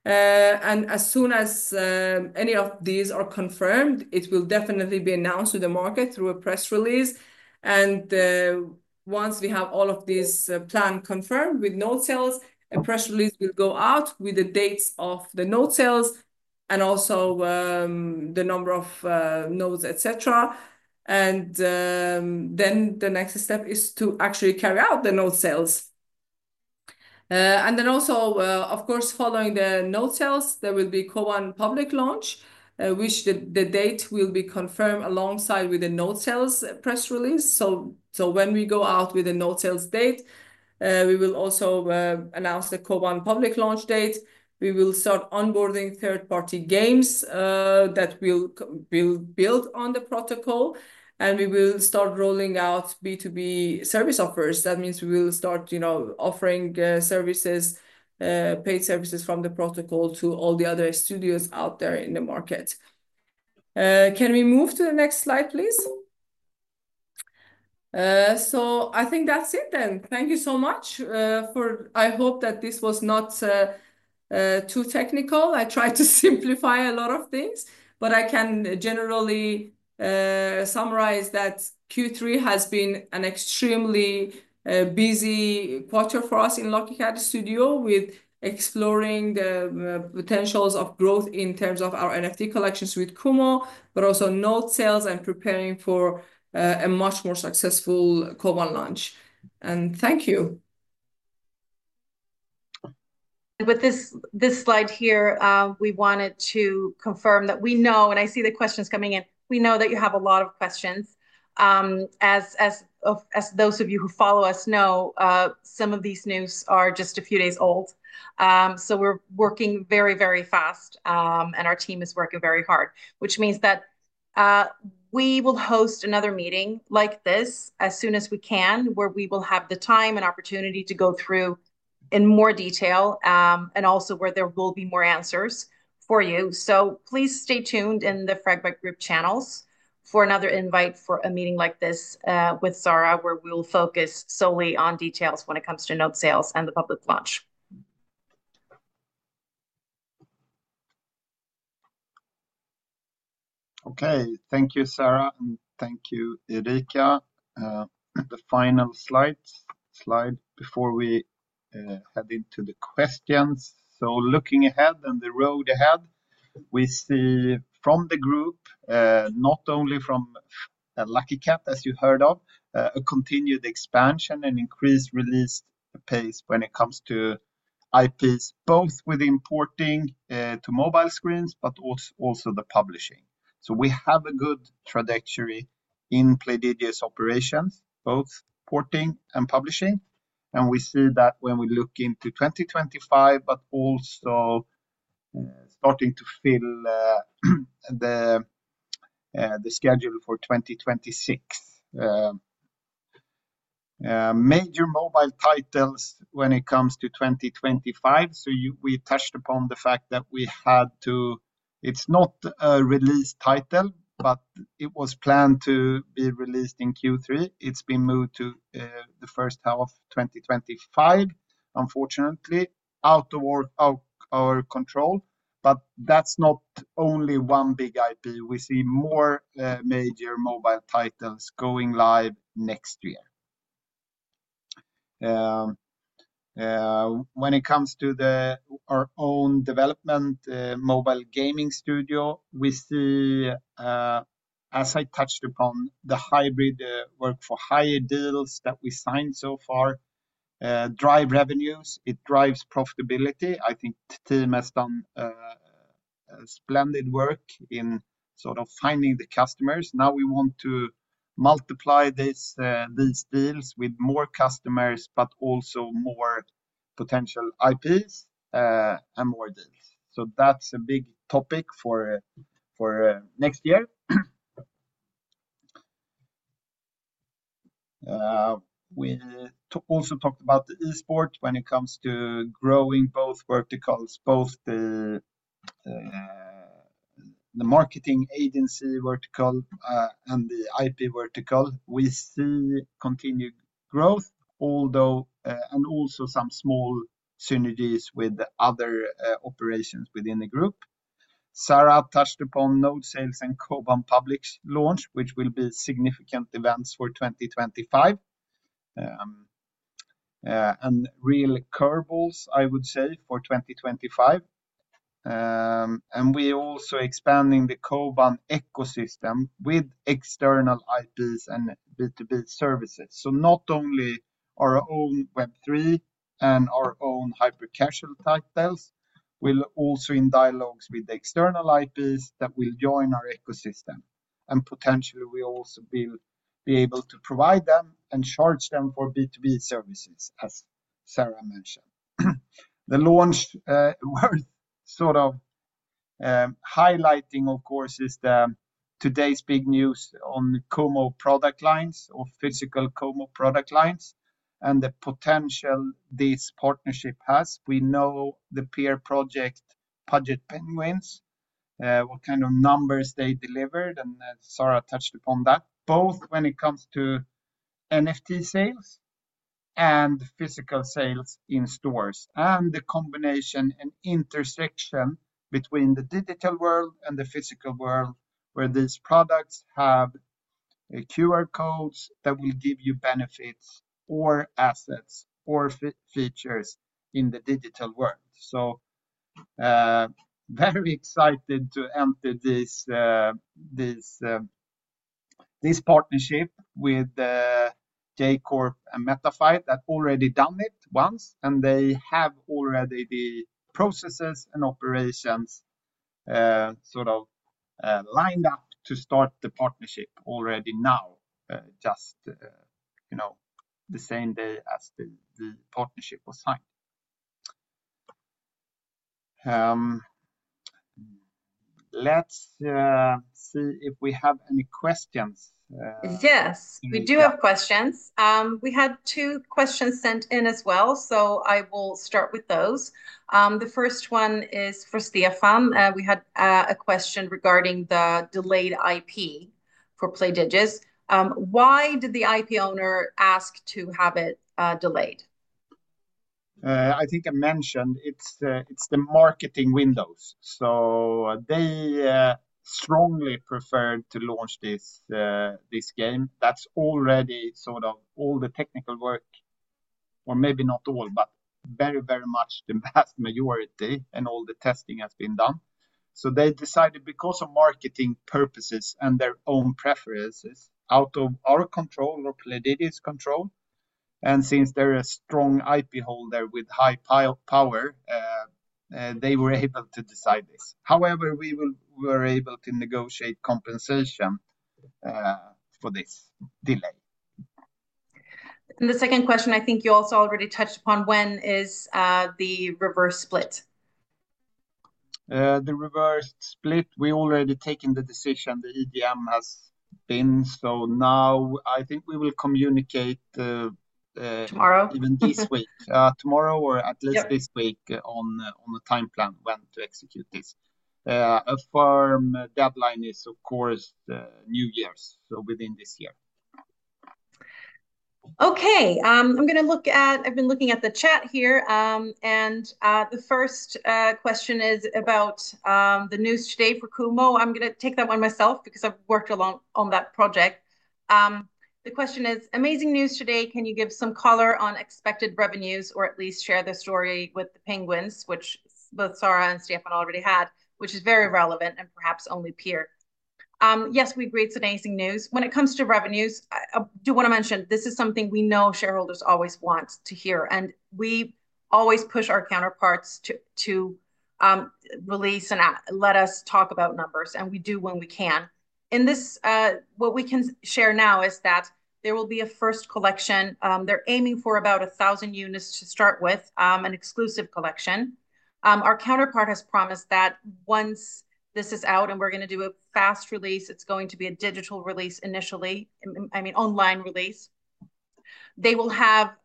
[SPEAKER 3] And as soon as any of these are confirmed, it will definitely be announced to the market through a press release. Once we have all of these plans confirmed with node sales, a press release will go out with the dates of the node sales and also the number of nodes, et cetera. Then the next step is to actually carry out the node sales. Then also, of course, following the node sales, there will be Koban public launch, which the date will be confirmed alongside with the node sales press release. When we go out with the node sales date, we will also announce the Koban public launch date. We will start onboarding third-party games that we'll build on the protocol. We will start rolling out B2B service offers. That means we will start offering services, paid services from the protocol to all the other studios out there in the market. Can we move to the next slide, please? I think that's it then. Thank you so much. I hope that this was not too technical. I tried to simplify a lot of things, but I can generally summarize that Q3 has been an extremely busy quarter for us in Lucky Kat Studio with exploring the potentials of growth in terms of our NFT collections with Kumo, but also node sales and preparing for a much more successful Koban launch, and thank you.
[SPEAKER 1] With this slide here, we wanted to confirm that we know, and I see the questions coming in, we know that you have a lot of questions. As those of you who follow us know, some of these news are just a few days old. We're working very, very fast, and our team is working very hard, which means that we will host another meeting like this as soon as we can, where we will have the time and opportunity to go through in more detail and also where there will be more answers for you. Please stay tuned in the Fragbite Group channels for another invite for a meeting like this with Zara, where we'll focus solely on details when it comes to node sales and the public launch.
[SPEAKER 2] Okay, thank you, Zara. And thank you, Erika. The final slide before we head into the questions. Looking ahead and the road ahead, we see from the group, not only from Lucky Kat, as you heard of, a continued expansion and increased release pace when it comes to IPs, both with porting to mobile screens, but also the publishing. We have a good trajectory in Playdigious operations, both porting and publishing. We see that when we look into 2025, but also starting to fill the schedule for 2026. Major mobile titles when it comes to 2025. We touched upon the fact that we had to; it's not a released title, but it was planned to be released in Q3. It's been moved to the first half of 2025, unfortunately, out of our control. But that's not only one big IP. We see more major mobile titles going live next year. When it comes to our own development, mobile gaming studio, we see, as I touched upon, the work-for-hire deals that we signed so far drive revenues. It drives profitability. I think the team has done splendid work in sort of finding the customers. Now we want to multiply these deals with more customers, but also more potential IPs and more deals, so that's a big topic for next year. We also talked about the esports when it comes to growing both verticals, both the marketing agency vertical and the IP vertical. We see continued growth, although, and also some small synergies with other operations within the group. Zara touched upon node sales and Koban public launch, which will be significant events for 2025, and real curveballs, I would say, for 2025, and we are also expanding the Koban ecosystem with external IPs and B2B services, so not only our own Web3 and our own hypercasual titles, we'll also be in dialogues with external IPs that will join our ecosystem, and potentially, we also will be able to provide them and charge them for B2B services, as Zara mentioned. The launch worth sort of highlighting, of course, is today's big news on Kumo product lines or physical Kumo product lines and the potential this partnership has. We know the peer project Pudgy Penguins, what kind of numbers they delivered. And Zara touched upon that, both when it comes to NFT sales and physical sales in stores and the combination and intersection between the digital world and the physical world, where these products have QR codes that will give you benefits or assets or features in the digital world. So very excited to enter this partnership with JCorp and Mighty Mojo that already done it once. And they have already the processes and operations sort of lined up to start the partnership already now, just the same day as the partnership was signed. Let's see if we have any questions.
[SPEAKER 1] Yes, we do have questions. We had two questions sent in as well, so I will start with those. The first one is for Stefan. We had a question regarding the delayed IP for Playdigious. Why did the IP owner ask to have it delayed?
[SPEAKER 2] I think I mentioned it's the marketing windows, so they strongly preferred to launch this game. That's already sort of all the technical work, or maybe not all, but very, very much the vast majority and all the testing has been done, so they decided because of marketing purposes and their own preferences out of our control or Playdigious control, and since they're a strong IP holder with high power, they were able to decide this. However, we were able to negotiate compensation for this delay.
[SPEAKER 3] The second question, I think you also already touched upon, when is the reverse split?
[SPEAKER 2] The reverse split, we already taken the decision, the EGM has been. So now I think we will communicate even this week, tomorrow, or at least this week on the timeplan when to execute this. A firm deadline is, of course, New Year's, so within this year.
[SPEAKER 1] Okay, I'm going to look at. I've been looking at the chat here, and the first question is about the news today for Kumo. I'm going to take that one myself because I've worked along on that project. The question is, amazing news today. Can you give some color on expected revenues or at least share the story with the Penguins, which both Zara and Stefan already had, which is very relevant and perhaps only peer? Yes, we agree. It's amazing news. When it comes to revenues, I do want to mention this is something we know shareholders always want to hear. We always push our counterparts to release and let us talk about numbers. We do when we can. In this, what we can share now is that there will be a first collection. They're aiming for about 1,000 units to start with, an exclusive collection. Our counterpart has promised that once this is out and we're going to do a fast release, it's going to be a digital release initially, I mean, online release. They will have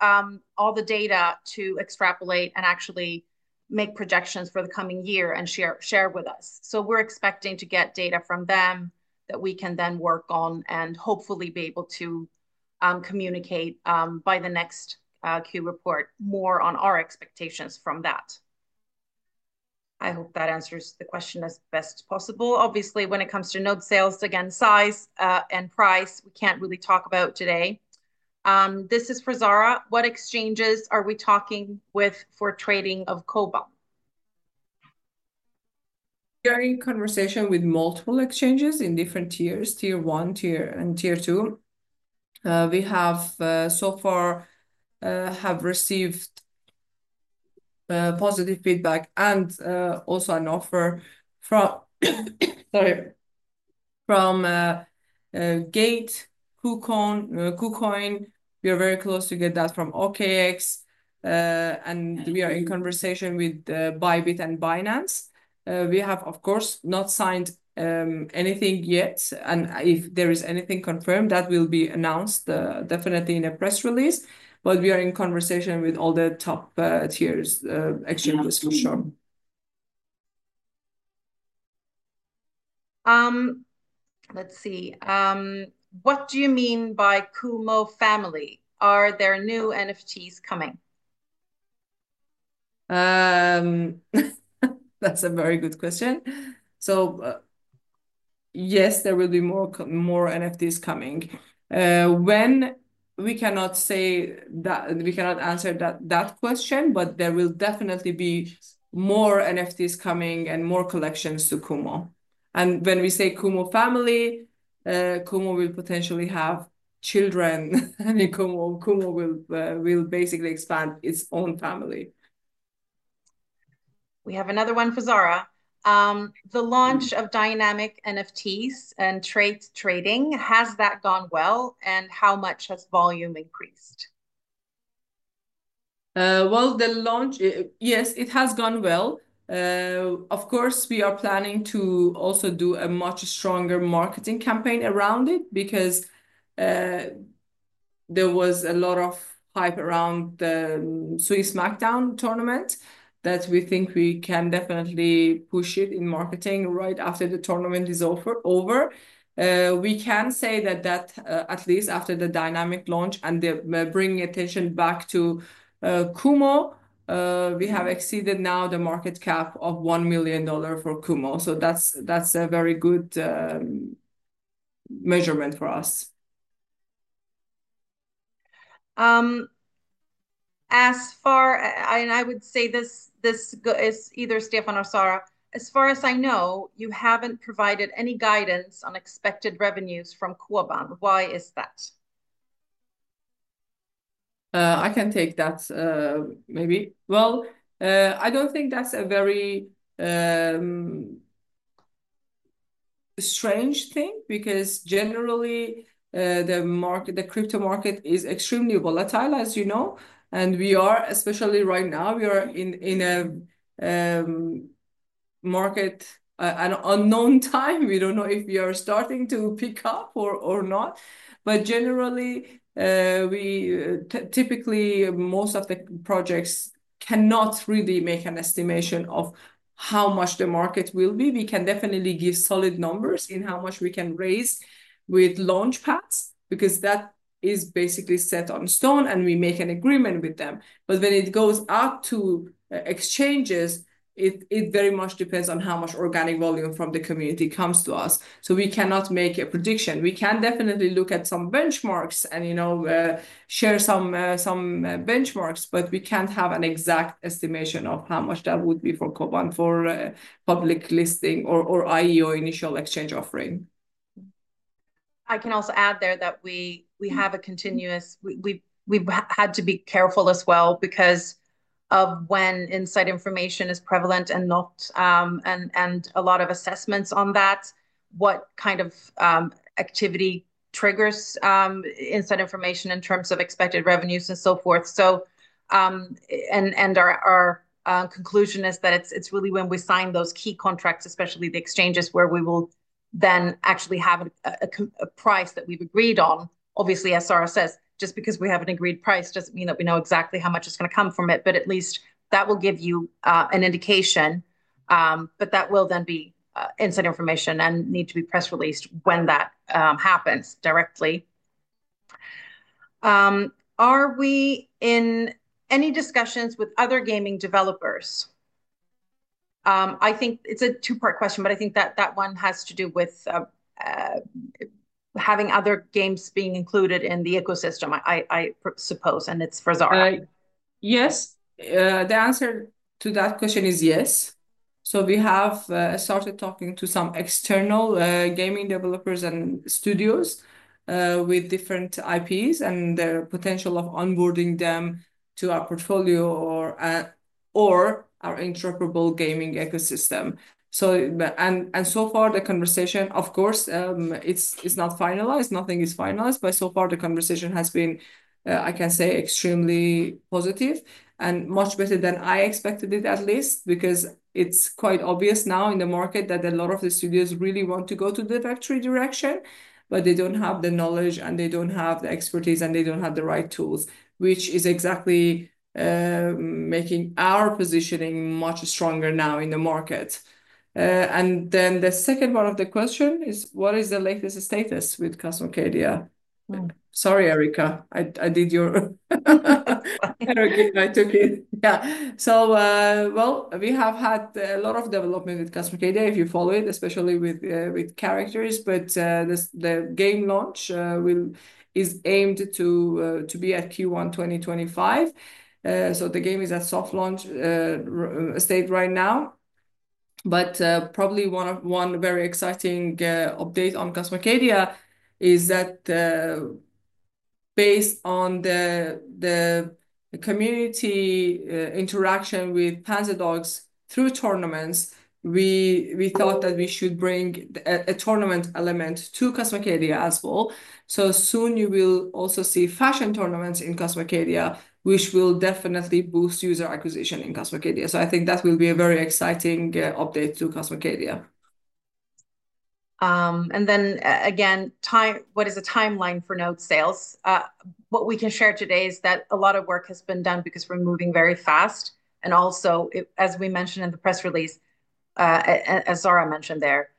[SPEAKER 1] all the data to extrapolate and actually make projections for the coming year and share with us. We're expecting to get data from them that we can then work on and hopefully be able to communicate by the next Q report more on our expectations from that. I hope that answers the question as best as possible. Obviously, when it comes to node sales, again, size and price, we can't really talk about today. This is for Zara. What exchanges are we talking with for trading of Koban?
[SPEAKER 3] We are in conversation with multiple exchanges in different tiers, tier one, tier, and tier two. We have so far received positive feedback and also an offer from, sorry, from Gate, KuCoin. We are very close to get that from OKX. And we are in conversation with Bybit and Binance. We have, of course, not signed anything yet. And if there is anything confirmed, that will be announced definitely in a press release. But we are in conversation with all the top tiers exchanges for sure.
[SPEAKER 1] Let's see. What do you mean by Kumo family? Are there new NFTs coming?
[SPEAKER 3] That's a very good question. So yes, there will be more NFTs coming. We cannot say that we cannot answer that question, but there will definitely be more NFTs coming and more collections to Kumo, and when we say Kumo family, Kumo will potentially have children. Kumo will basically expand its own family.
[SPEAKER 1] We have another one for Zara. The launch of dynamic NFTs and NFT trading, has that gone well? And how much has volume increased?
[SPEAKER 3] Well, the launch, yes, it has gone well. Of course, we are planning to also do a much stronger marketing campaign around it because there was a lot of hype around the Sui Smackdown tournament that we think we can definitely push it in marketing right after the tournament is over. We can say that at least after the dynamic launch and the bringing attention back to Kumo, we have exceeded now the market cap of $1 million for Kumo. So that's a very good measurement for us.
[SPEAKER 1] As far, and I would say this is either Stefan or Zara. As far as I know, you haven't provided any guidance on expected revenues from Koban. Why is that?
[SPEAKER 3] I can take that maybe. Well, I don't think that's a very strange thing because generally, the crypto market is extremely volatile, as you know. And we are, especially right now, we are in a market at an unknown time. We don't know if we are starting to pick up or not. But generally, we typically, most of the projects cannot really make an estimation of how much the market will be. We can definitely give solid numbers in how much we can raise with launchpads because that is basically set in stone and we make an agreement with them.
[SPEAKER 2] But when it goes out to exchanges, it very much depends on how much organic volume from the community comes to us. So we cannot make a prediction. We can definitely look at some benchmarks and share some benchmarks, but we can't have an exact estimation of how much that would be for Koban for public listing or IEO initial exchange offering.
[SPEAKER 1] I can also add there that we have a continuous, we've had to be careful as well because of when inside information is prevalent and not, and a lot of assessments on that, what kind of activity triggers inside information in terms of expected revenues and so forth. And our conclusion is that it's really when we sign those key contracts, especially the exchanges where we will then actually have a price that we've agreed on. Obviously, as Zara says, just because we have an agreed price doesn't mean that we know exactly how much it's going to come from it, but at least that will give you an indication, but that will then be inside information and need to be press released when that happens directly. Are we in any discussions with other gaming developers? I think it's a two-part question, but I think that that one has to do with having other games being included in the ecosystem, I suppose, and it's for Zara.
[SPEAKER 3] Yes. The answer to that question is yes, so we have started talking to some external gaming developers and studios with different IPs and the potential of onboarding them to our portfolio or our interoperable gaming ecosystem, and so far, the conversation, of course, is not finalized. Nothing is finalized. But so far, the conversation has been, I can say, extremely positive and much better than I expected it, at least, because it's quite obvious now in the market that a lot of the studios really want to go to the Web3 direction, but they don't have the knowledge and they don't have the expertise and they don't have the right tools, which is exactly making our positioning much stronger now in the market. And then the second part of the question is, what is the latest status with Cosmocadia? Sorry, Erika. I did your—I took it. Yeah. So well, we have had a lot of development with Cosmocadia, if you follow it, especially with characters. But the game launch is aimed to be at Q1 2025. So the game is at soft launch state right now. But probably one very exciting update on Cosmocadia is that based on the community interaction with Panzerdogs through tournaments, we thought that we should bring a tournament element to Cosmocadia as well. So soon, you will also see fashion tournaments in Cosmocadia, which will definitely boost user acquisition in Cosmocadia. So I think that will be a very exciting update to Cosmocadia.
[SPEAKER 1] And then again, what is the timeline for node sales? What we can share today is that a lot of work has been done because we're moving very fast. And also, as we mentioned in the press release, as Zara mentioned there,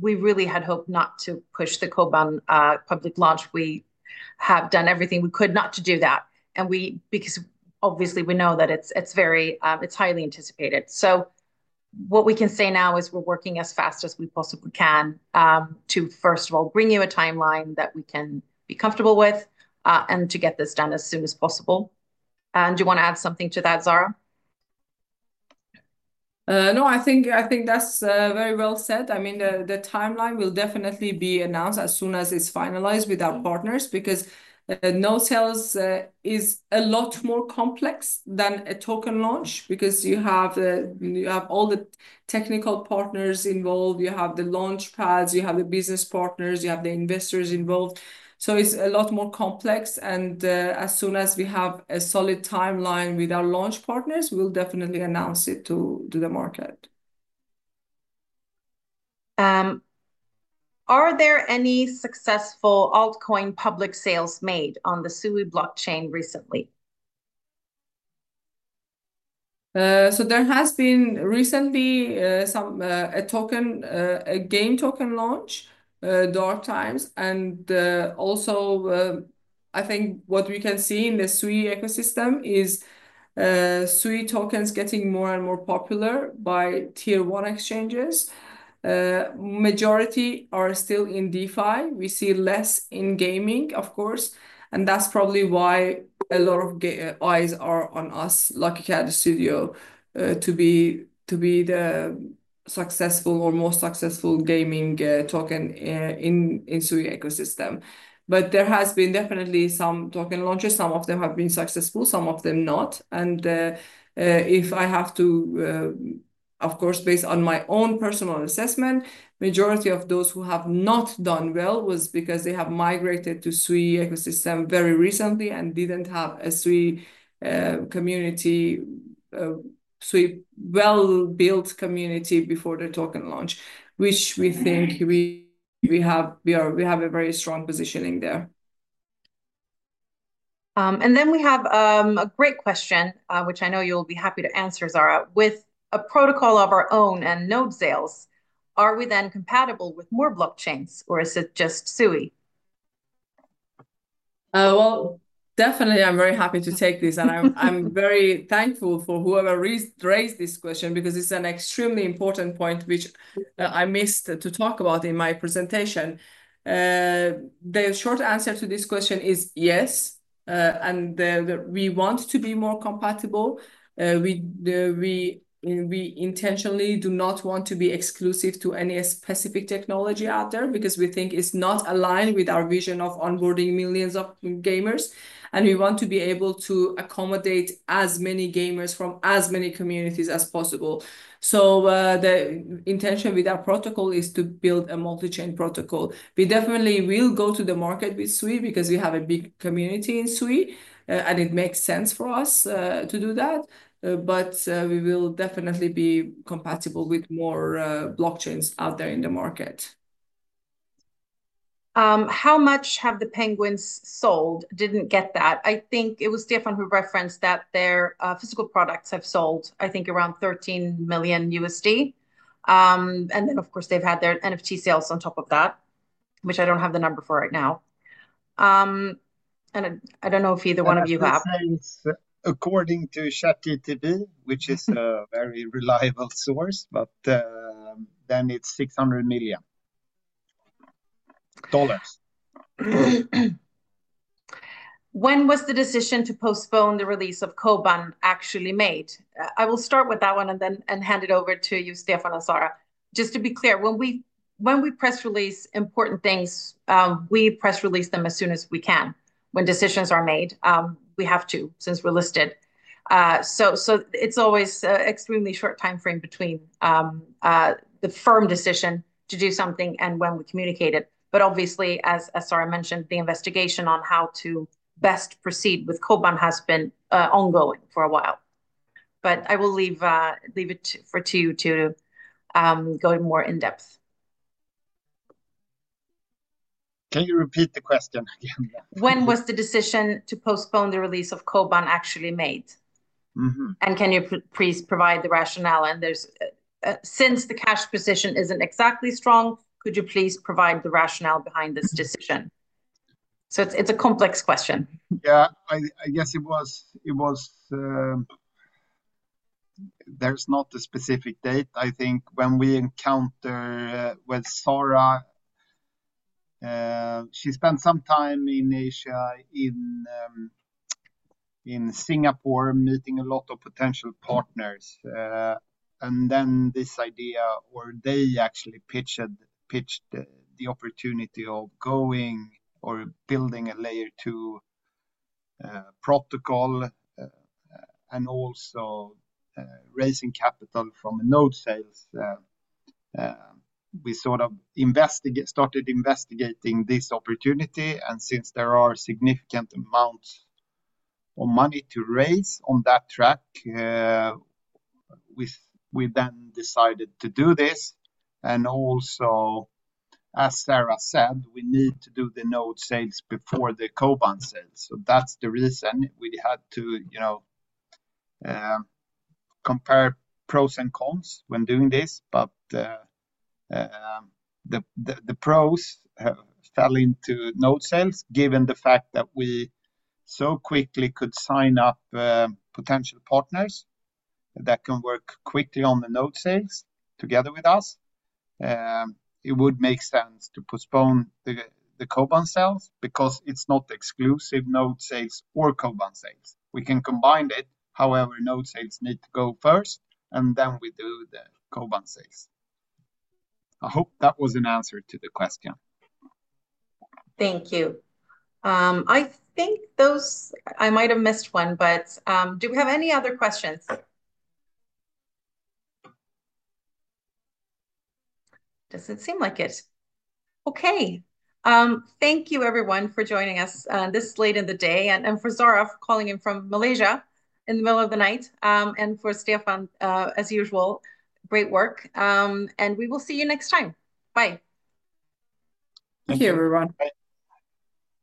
[SPEAKER 1] we really had hoped not to push the Koban public launch. We have done everything we could not to do that. And because obviously, we know that it's highly anticipated. So what we can say now is we're working as fast as we possibly can to, first of all, bring you a timeline that we can be comfortable with and to get this done as soon as possible. And do you want to add something to that, Zara?
[SPEAKER 3] No, I think that's very well said. I mean, the timeline will definitely be announced as soon as it's finalized with our partners because node sales is a lot more complex than a token launch because you have all the technical partners involved. You have the launchpads, you have the business partners, you have the investors involved. So it's a lot more complex. And as soon as we have a solid timeline with our launch partners, we'll definitely announce it to the market.
[SPEAKER 1] Are there any successful altcoin public sales made on the Sui blockchain recently?
[SPEAKER 3] So there has been recently a token, a game token launch, Darktimes. And also, I think what we can see in the Sui ecosystem is Sui tokens getting more and more popular by tier one exchanges. Majority are still in DeFi. We see less in gaming, of course. And that's probably why a lot of eyes are on us, Lucky Kat Studio, to be the successful or most successful gaming token in the Sui ecosystem. But there has been definitely some token launches. Some of them have been successful, some of them not. And if I have to, of course, based on my own personal assessment, the majority of those who have not done well was because they have migrated to the Sui ecosystem very recently and didn't have a Sui community, Sui well-built community before the token launch, which we think we have a very strong positioning there.
[SPEAKER 1] We have a great question, which I know you'll be happy to answer, Zara. With a protocol of our own and node sales, are we then compatible with more blockchains or is it just Sui?
[SPEAKER 3] Definitely, I'm very happy to take this. I'm very thankful for whoever raised this question because it's an extremely important point which I missed to talk about in my presentation. The short answer to this question is yes. We want to be more compatible. We intentionally do not want to be exclusive to any specific technology out there because we think it's not aligned with our vision of onboarding millions of gamers. We want to be able to accommodate as many gamers from as many communities as possible. The intention with our protocol is to build a multi-chain protocol. We definitely will go to the market with Sui because we have a big community in Sui. And it makes sense for us to do that. But we will definitely be compatible with more blockchains out there in the market.
[SPEAKER 1] How much have the Penguins sold? Didn't get that. I think it was Stefan who referenced that their physical products have sold, I think, around $13 million. And then, of course, they've had their NFT sales on top of that, which I don't have the number for right now. And I don't know if either one of you have.
[SPEAKER 2] According to ChatGPT, which is a very reliable source, but then it's $600 million.
[SPEAKER 1] When was the decision to postpone the release of Koban actually made? I will start with that one and then hand it over to you, Stefan and Zara. Just to be clear, when we press release important things, we press release them as soon as we can. When decisions are made, we have to since we're listed. So it's always an extremely short time frame between the firm decision to do something and when we communicate it. But obviously, as Zara mentioned, the investigation on how to best proceed with Koban has been ongoing for a while. But I will leave it for you to go more in depth.
[SPEAKER 2] Can you repeat the question again?
[SPEAKER 1] When was the decision to postpone the release of Koban actually made? And can you please provide the rationale? And since the cash position isn't exactly strong, could you please provide the rationale behind this decision? So it's a complex question.
[SPEAKER 2] Yeah, I guess it was. There's not a specific date. I think when we encountered with Zara, she spent some time in Asia, in Singapore, meeting a lot of potential partners. Then this idea or they actually pitched the opportunity of going or building a layer two protocol and also raising capital from node sales. We sort of started investigating this opportunity. Since there are significant amounts of money to raise on that track, we then decided to do this. Also, as Zara said, we need to do the node sales before the Koban sales. That's the reason we had to compare pros and cons when doing this. The pros fell into node sales given the fact that we so quickly could sign up potential partners that can work quickly on the node sales together with us. It would make sense to postpone the Koban sales because it's not exclusive node sales or Koban sales. We can combine it. However, node sales need to go first, and then we do the Koban sales. I hope that was an answer to the question.
[SPEAKER 1] Thank you. I think I might have missed one, but do we have any other questions? Doesn't seem like it. Okay. Thank you, everyone, for joining us this late in the day and for Zara calling in from Malaysia in the middle of the night. And for Stefan, as usual, great work. And we will see you next time. Bye.
[SPEAKER 3] Thank you, everyone.